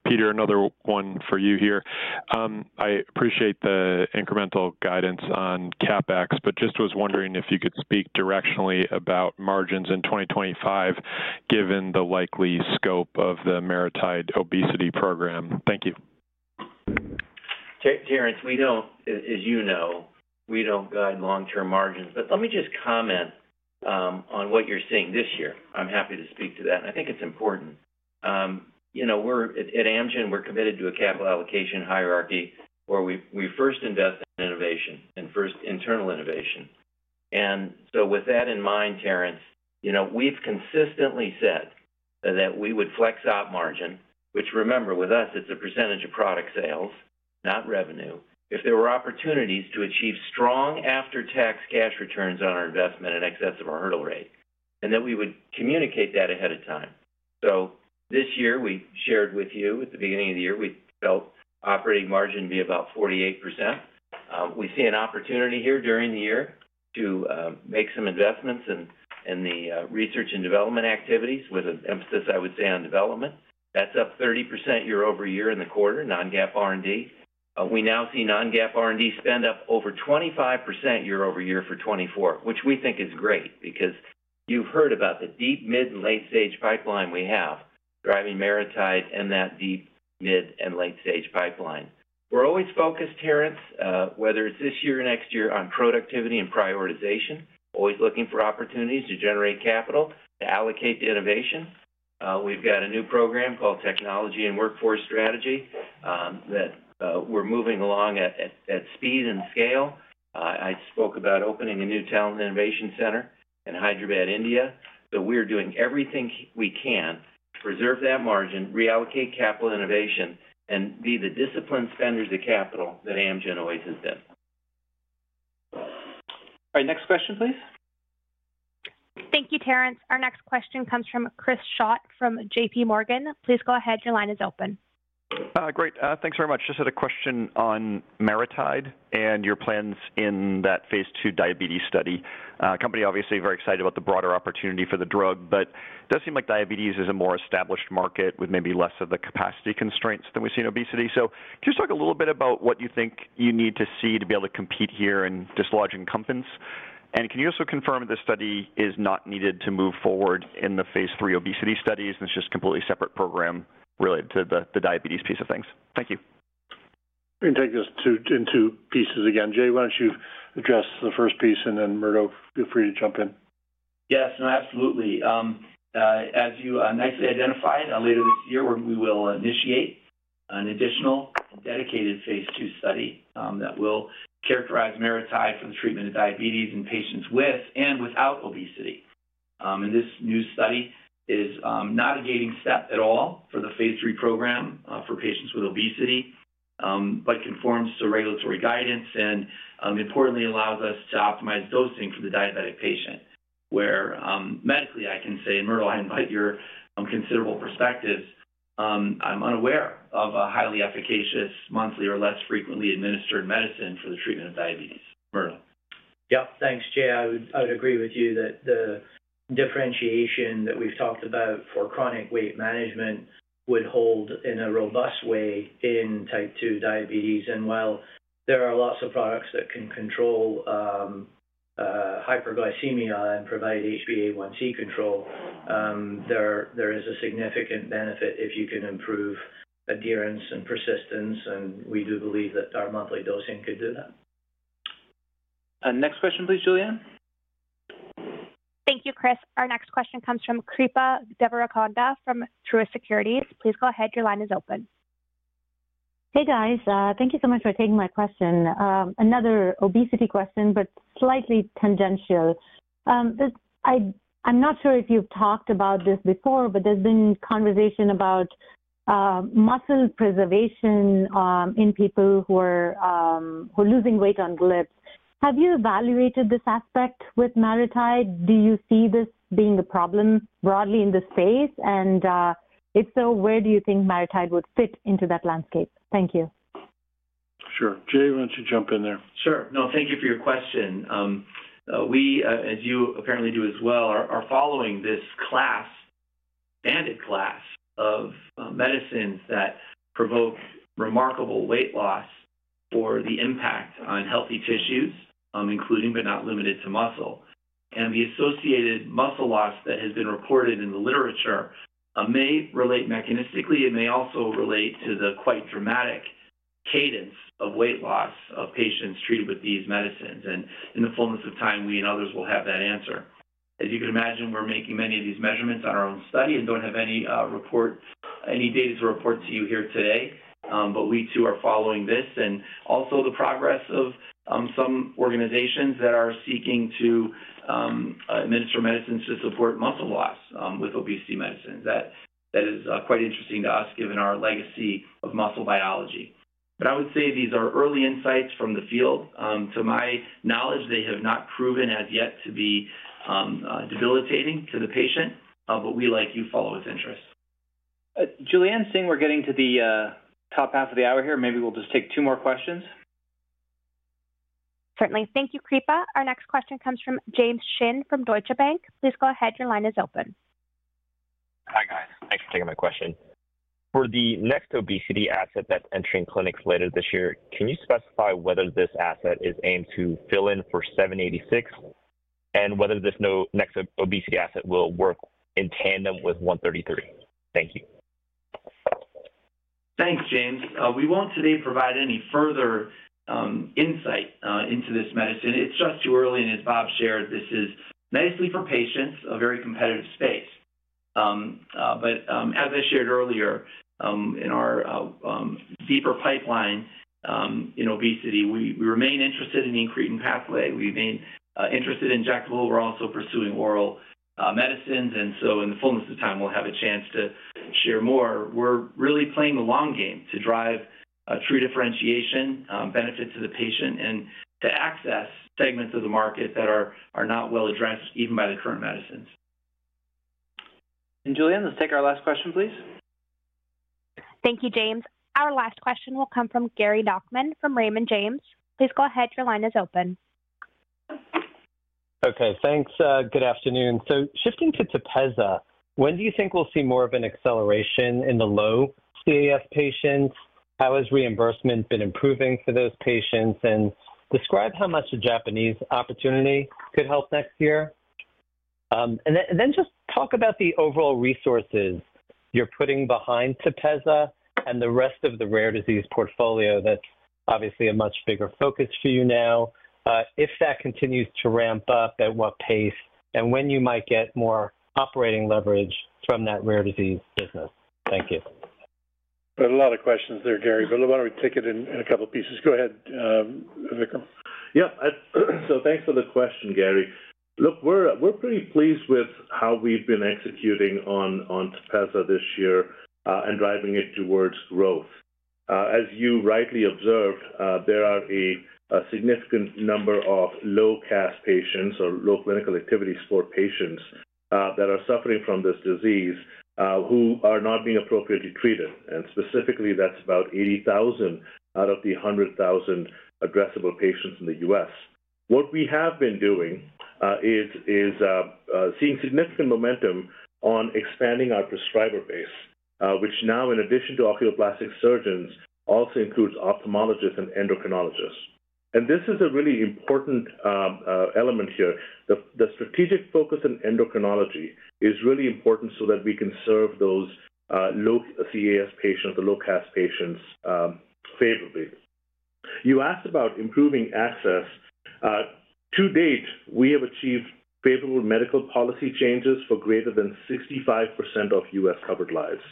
Peter, another one for you here. I appreciate the incremental guidance on CapEx, but just was wondering if you could speak directionally about margins in 2025, given the likely scope of the MariTide obesity program. Thank you.... Terence, we don't, as you know, we don't guide long-term margins. But let me just comment on what you're seeing this year. I'm happy to speak to that, and I think it's important. You know, we're at Amgen, we're committed to a capital allocation hierarchy, where we first invest in innovation and first internal innovation. And so with that in mind, Terence, you know, we've consistently said that we would flex op margin, which remember, with us, it's a percentage of product sales, not revenue, if there were opportunities to achieve strong after-tax cash returns on our investment in excess of our hurdle rate, and then we would communicate that ahead of time. So this year, we shared with you, at the beginning of the year, we felt operating margin be about 48%. We see an opportunity here during the year to make some investments in the research and development activities, with an emphasis, I would say, on development. That's up 30% year-over-year in the quarter, non-GAAP R&D. We now see non-GAAP R&D spend up over 25% year-over-year for 2024, which we think is great because you've heard about the deep, mid, and late-stage pipeline we have, driving MariTide and that deep, mid, and late-stage pipeline. We're always focused, Terence, whether it's this year or next year, on productivity and prioritization, always looking for opportunities to generate capital, to allocate the innovation. We've got a new program called Technology and Workforce Strategy that we're moving along at speed and scale. I spoke about opening a new talent innovation center in Hyderabad, India. We're doing everything we can to preserve that margin, reallocate capital innovation, and be the disciplined spenders of capital that Amgen always has been. All right, next question, please. Thank you, Terence. Our next question comes from Chris Schott from J.P. Morgan. Please go ahead. Your line is open. Great. Thanks very much. Just had a question on MariTide and your plans in that phase II diabetes study. Company obviously very excited about the broader opportunity for the drug, but it does seem like diabetes is a more established market with maybe less of the capacity constraints than we see in obesity. So can you just talk a little bit about what you think you need to see to be able to compete here and dislodge incumbents? And can you also confirm this study is not needed to move forward in the phase III obesity studies, and it's just a completely separate program related to the, the diabetes piece of things? Thank you. We can take this in two pieces again. Jay, why don't you address the first piece, and then, Murdo, feel free to jump in. Yes, no, absolutely. As you nicely identified, later this year, we will initiate an additional dedicated phase II study that will characterize MariTide for the treatment of diabetes in patients with and without obesity. And this new study is not a gating step at all for the phase III program for patients with obesity, but conforms to regulatory guidance and, importantly, allows us to optimize dosing for the diabetic patient, where, medically, I can say, Myrtle, I invite your considerable perspectives, I'm unaware of a highly efficacious monthly or less frequently administered medicine for the treatment of diabetes. Myrtle? Yep. Thanks, Jay. I would agree with you that the differentiation that we've talked about for chronic weight management would hold in a robust way in type 2 diabetes. And while there are lots of products that can control hyperglycemia and provide HbA1c control, there is a significant benefit if you can improve adherence and persistence, and we do believe that our monthly dosing could do that. Next question, please, Julianne. Thank you, Chris. Our next question comes from Kripa Devarakonda from Truist Securities. Please go ahead. Your line is open. Hey, guys. Thank you so much for taking my question. Another obesity question, but slightly tangential. I'm not sure if you've talked about this before, but there's been conversation about muscle preservation in people who are losing weight on GLP. Have you evaluated this aspect with MariTide? Do you see this being a problem broadly in this space? And if so, where do you think MariTide would fit into that landscape? Thank you. Sure. Jay, why don't you jump in there? Sure. No, thank you for your question. We, as you apparently do as well, are following this class of medicines that provoke remarkable weight loss for the impact on healthy tissues, including but not limited to muscle. And the associated muscle loss that has been reported in the literature may relate mechanistically and may also relate to the quite dramatic cadence of weight loss of patients treated with these medicines. And in the fullness of time, we and others will have that answer. As you can imagine, we're making many of these measurements on our own study and don't have any report any data to report to you here today, but we, too, are following this and also the progress of some organizations that are seeking to administer medicines to support muscle loss with obesity medicines. That, that is quite interesting to us, given our legacy of muscle biology. But I would say these are early insights from the field. To my knowledge, they have not proven as yet to be debilitating to the patient, but we, like you, follow with interest. Julianne, seeing we're getting to the top half of the hour here, maybe we'll just take two more questions. Certainly. Thank you, Kripa. Our next question comes from James Shin from Deutsche Bank. Please go ahead. Your line is open. Hi, guys. Thanks for taking my question. For the next obesity asset that's entering clinics later this year, can you specify whether this asset is aimed to fill in for 786?... and whether this or the next obesity asset will work in tandem with 133? Thank you. Thanks, James. We won't today provide any further insight into this medicine. It's just too early, and as Bob shared, this is medically for patients, a very competitive space. But as I shared earlier, in our deeper pipeline, in obesity, we remain interested in the incretin pathway. We remain interested in injectable. We're also pursuing oral medicines, and so in the fullness of time, we'll have a chance to share more. We're really playing the long game to drive a true differentiation benefit to the patient and to access segments of the market that are not well addressed, even by the current medicines. Julianne, let's take our last question, please. Thank you, James. Our last question will come from Gary Nachman from Raymond James. Please go ahead. Your line is open. Okay, thanks. Good afternoon. So shifting to Tepezza, when do you think we'll see more of an acceleration in the low CAS patients? How has reimbursement been improving for those patients? And describe how much the Japanese opportunity could help next year. And then, and then just talk about the overall resources you're putting behind Tepezza and the rest of the rare disease portfolio that's obviously a much bigger focus for you now. If that continues to ramp up, at what pace? And when you might get more operating leverage from that rare disease business? Thank you. There are a lot of questions there, Gary, but why don't we take it in a couple pieces? Go ahead, Vikram. Yeah, so thanks for the question, Gary. Look, we're pretty pleased with how we've been executing on Tepezza this year and driving it towards growth. As you rightly observed, there are a significant number of low CAS patients or low clinical activity score patients that are suffering from this disease who are not being appropriately treated. And specifically, that's about 80,000 out of the 100,000 addressable patients in the U.S. What we have been doing is seeing significant momentum on expanding our prescriber base, which now, in addition to oculoplastic surgeons, also includes ophthalmologists and endocrinologists. And this is a really important element here. The strategic focus on endocrinology is really important so that we can serve those low CAS patients, the low CAS patients, favorably. You asked about improving access. To date, we have achieved favorable medical policy changes for greater than 65% of U.S. covered lives.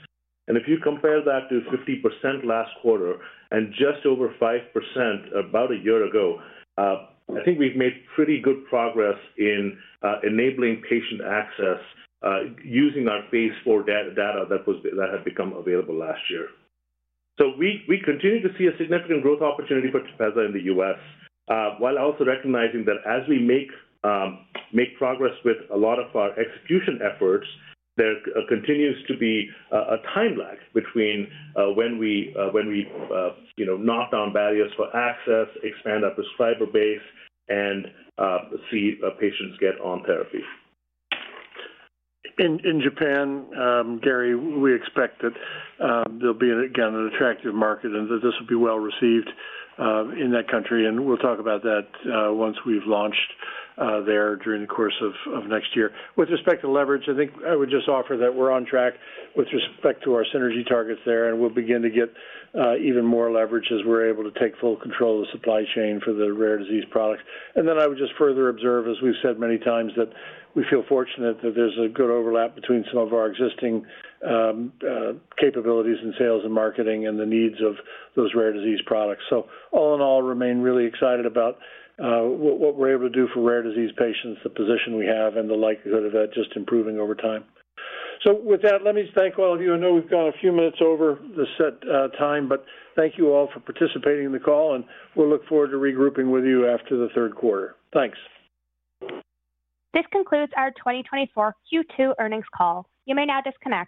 If you compare that to 50% last quarter and just over 5% about a year ago, I think we've made pretty good progress in enabling patient access using our phase four data, data that had become available last year. So we continue to see a significant growth opportunity for Tepezza in the U.S., while also recognizing that as we make progress with a lot of our execution efforts, there continues to be a time lag between when we, you know, knock down barriers for access, expand our prescriber base, and see patients get on therapy. In Japan, Gary, we expect that there'll be, again, an attractive market and that this will be well received in that country, and we'll talk about that once we've launched there during the course of next year. With respect to leverage, I think I would just offer that we're on track with respect to our synergy targets there, and we'll begin to get even more leverage as we're able to take full control of the supply chain for the rare disease products. And then I would just further observe, as we've said many times, that we feel fortunate that there's a good overlap between some of our existing capabilities in sales and marketing and the needs of those rare disease products. So all in all, remain really excited about what we're able to do for rare disease patients, the position we have, and the likelihood of that just improving over time. So with that, let me thank all of you. I know we've gone a few minutes over the set time, but thank you all for participating in the call, and we'll look forward to regrouping with you after the third quarter. Thanks. This concludes our 2024 Q2 earnings call. You may now disconnect.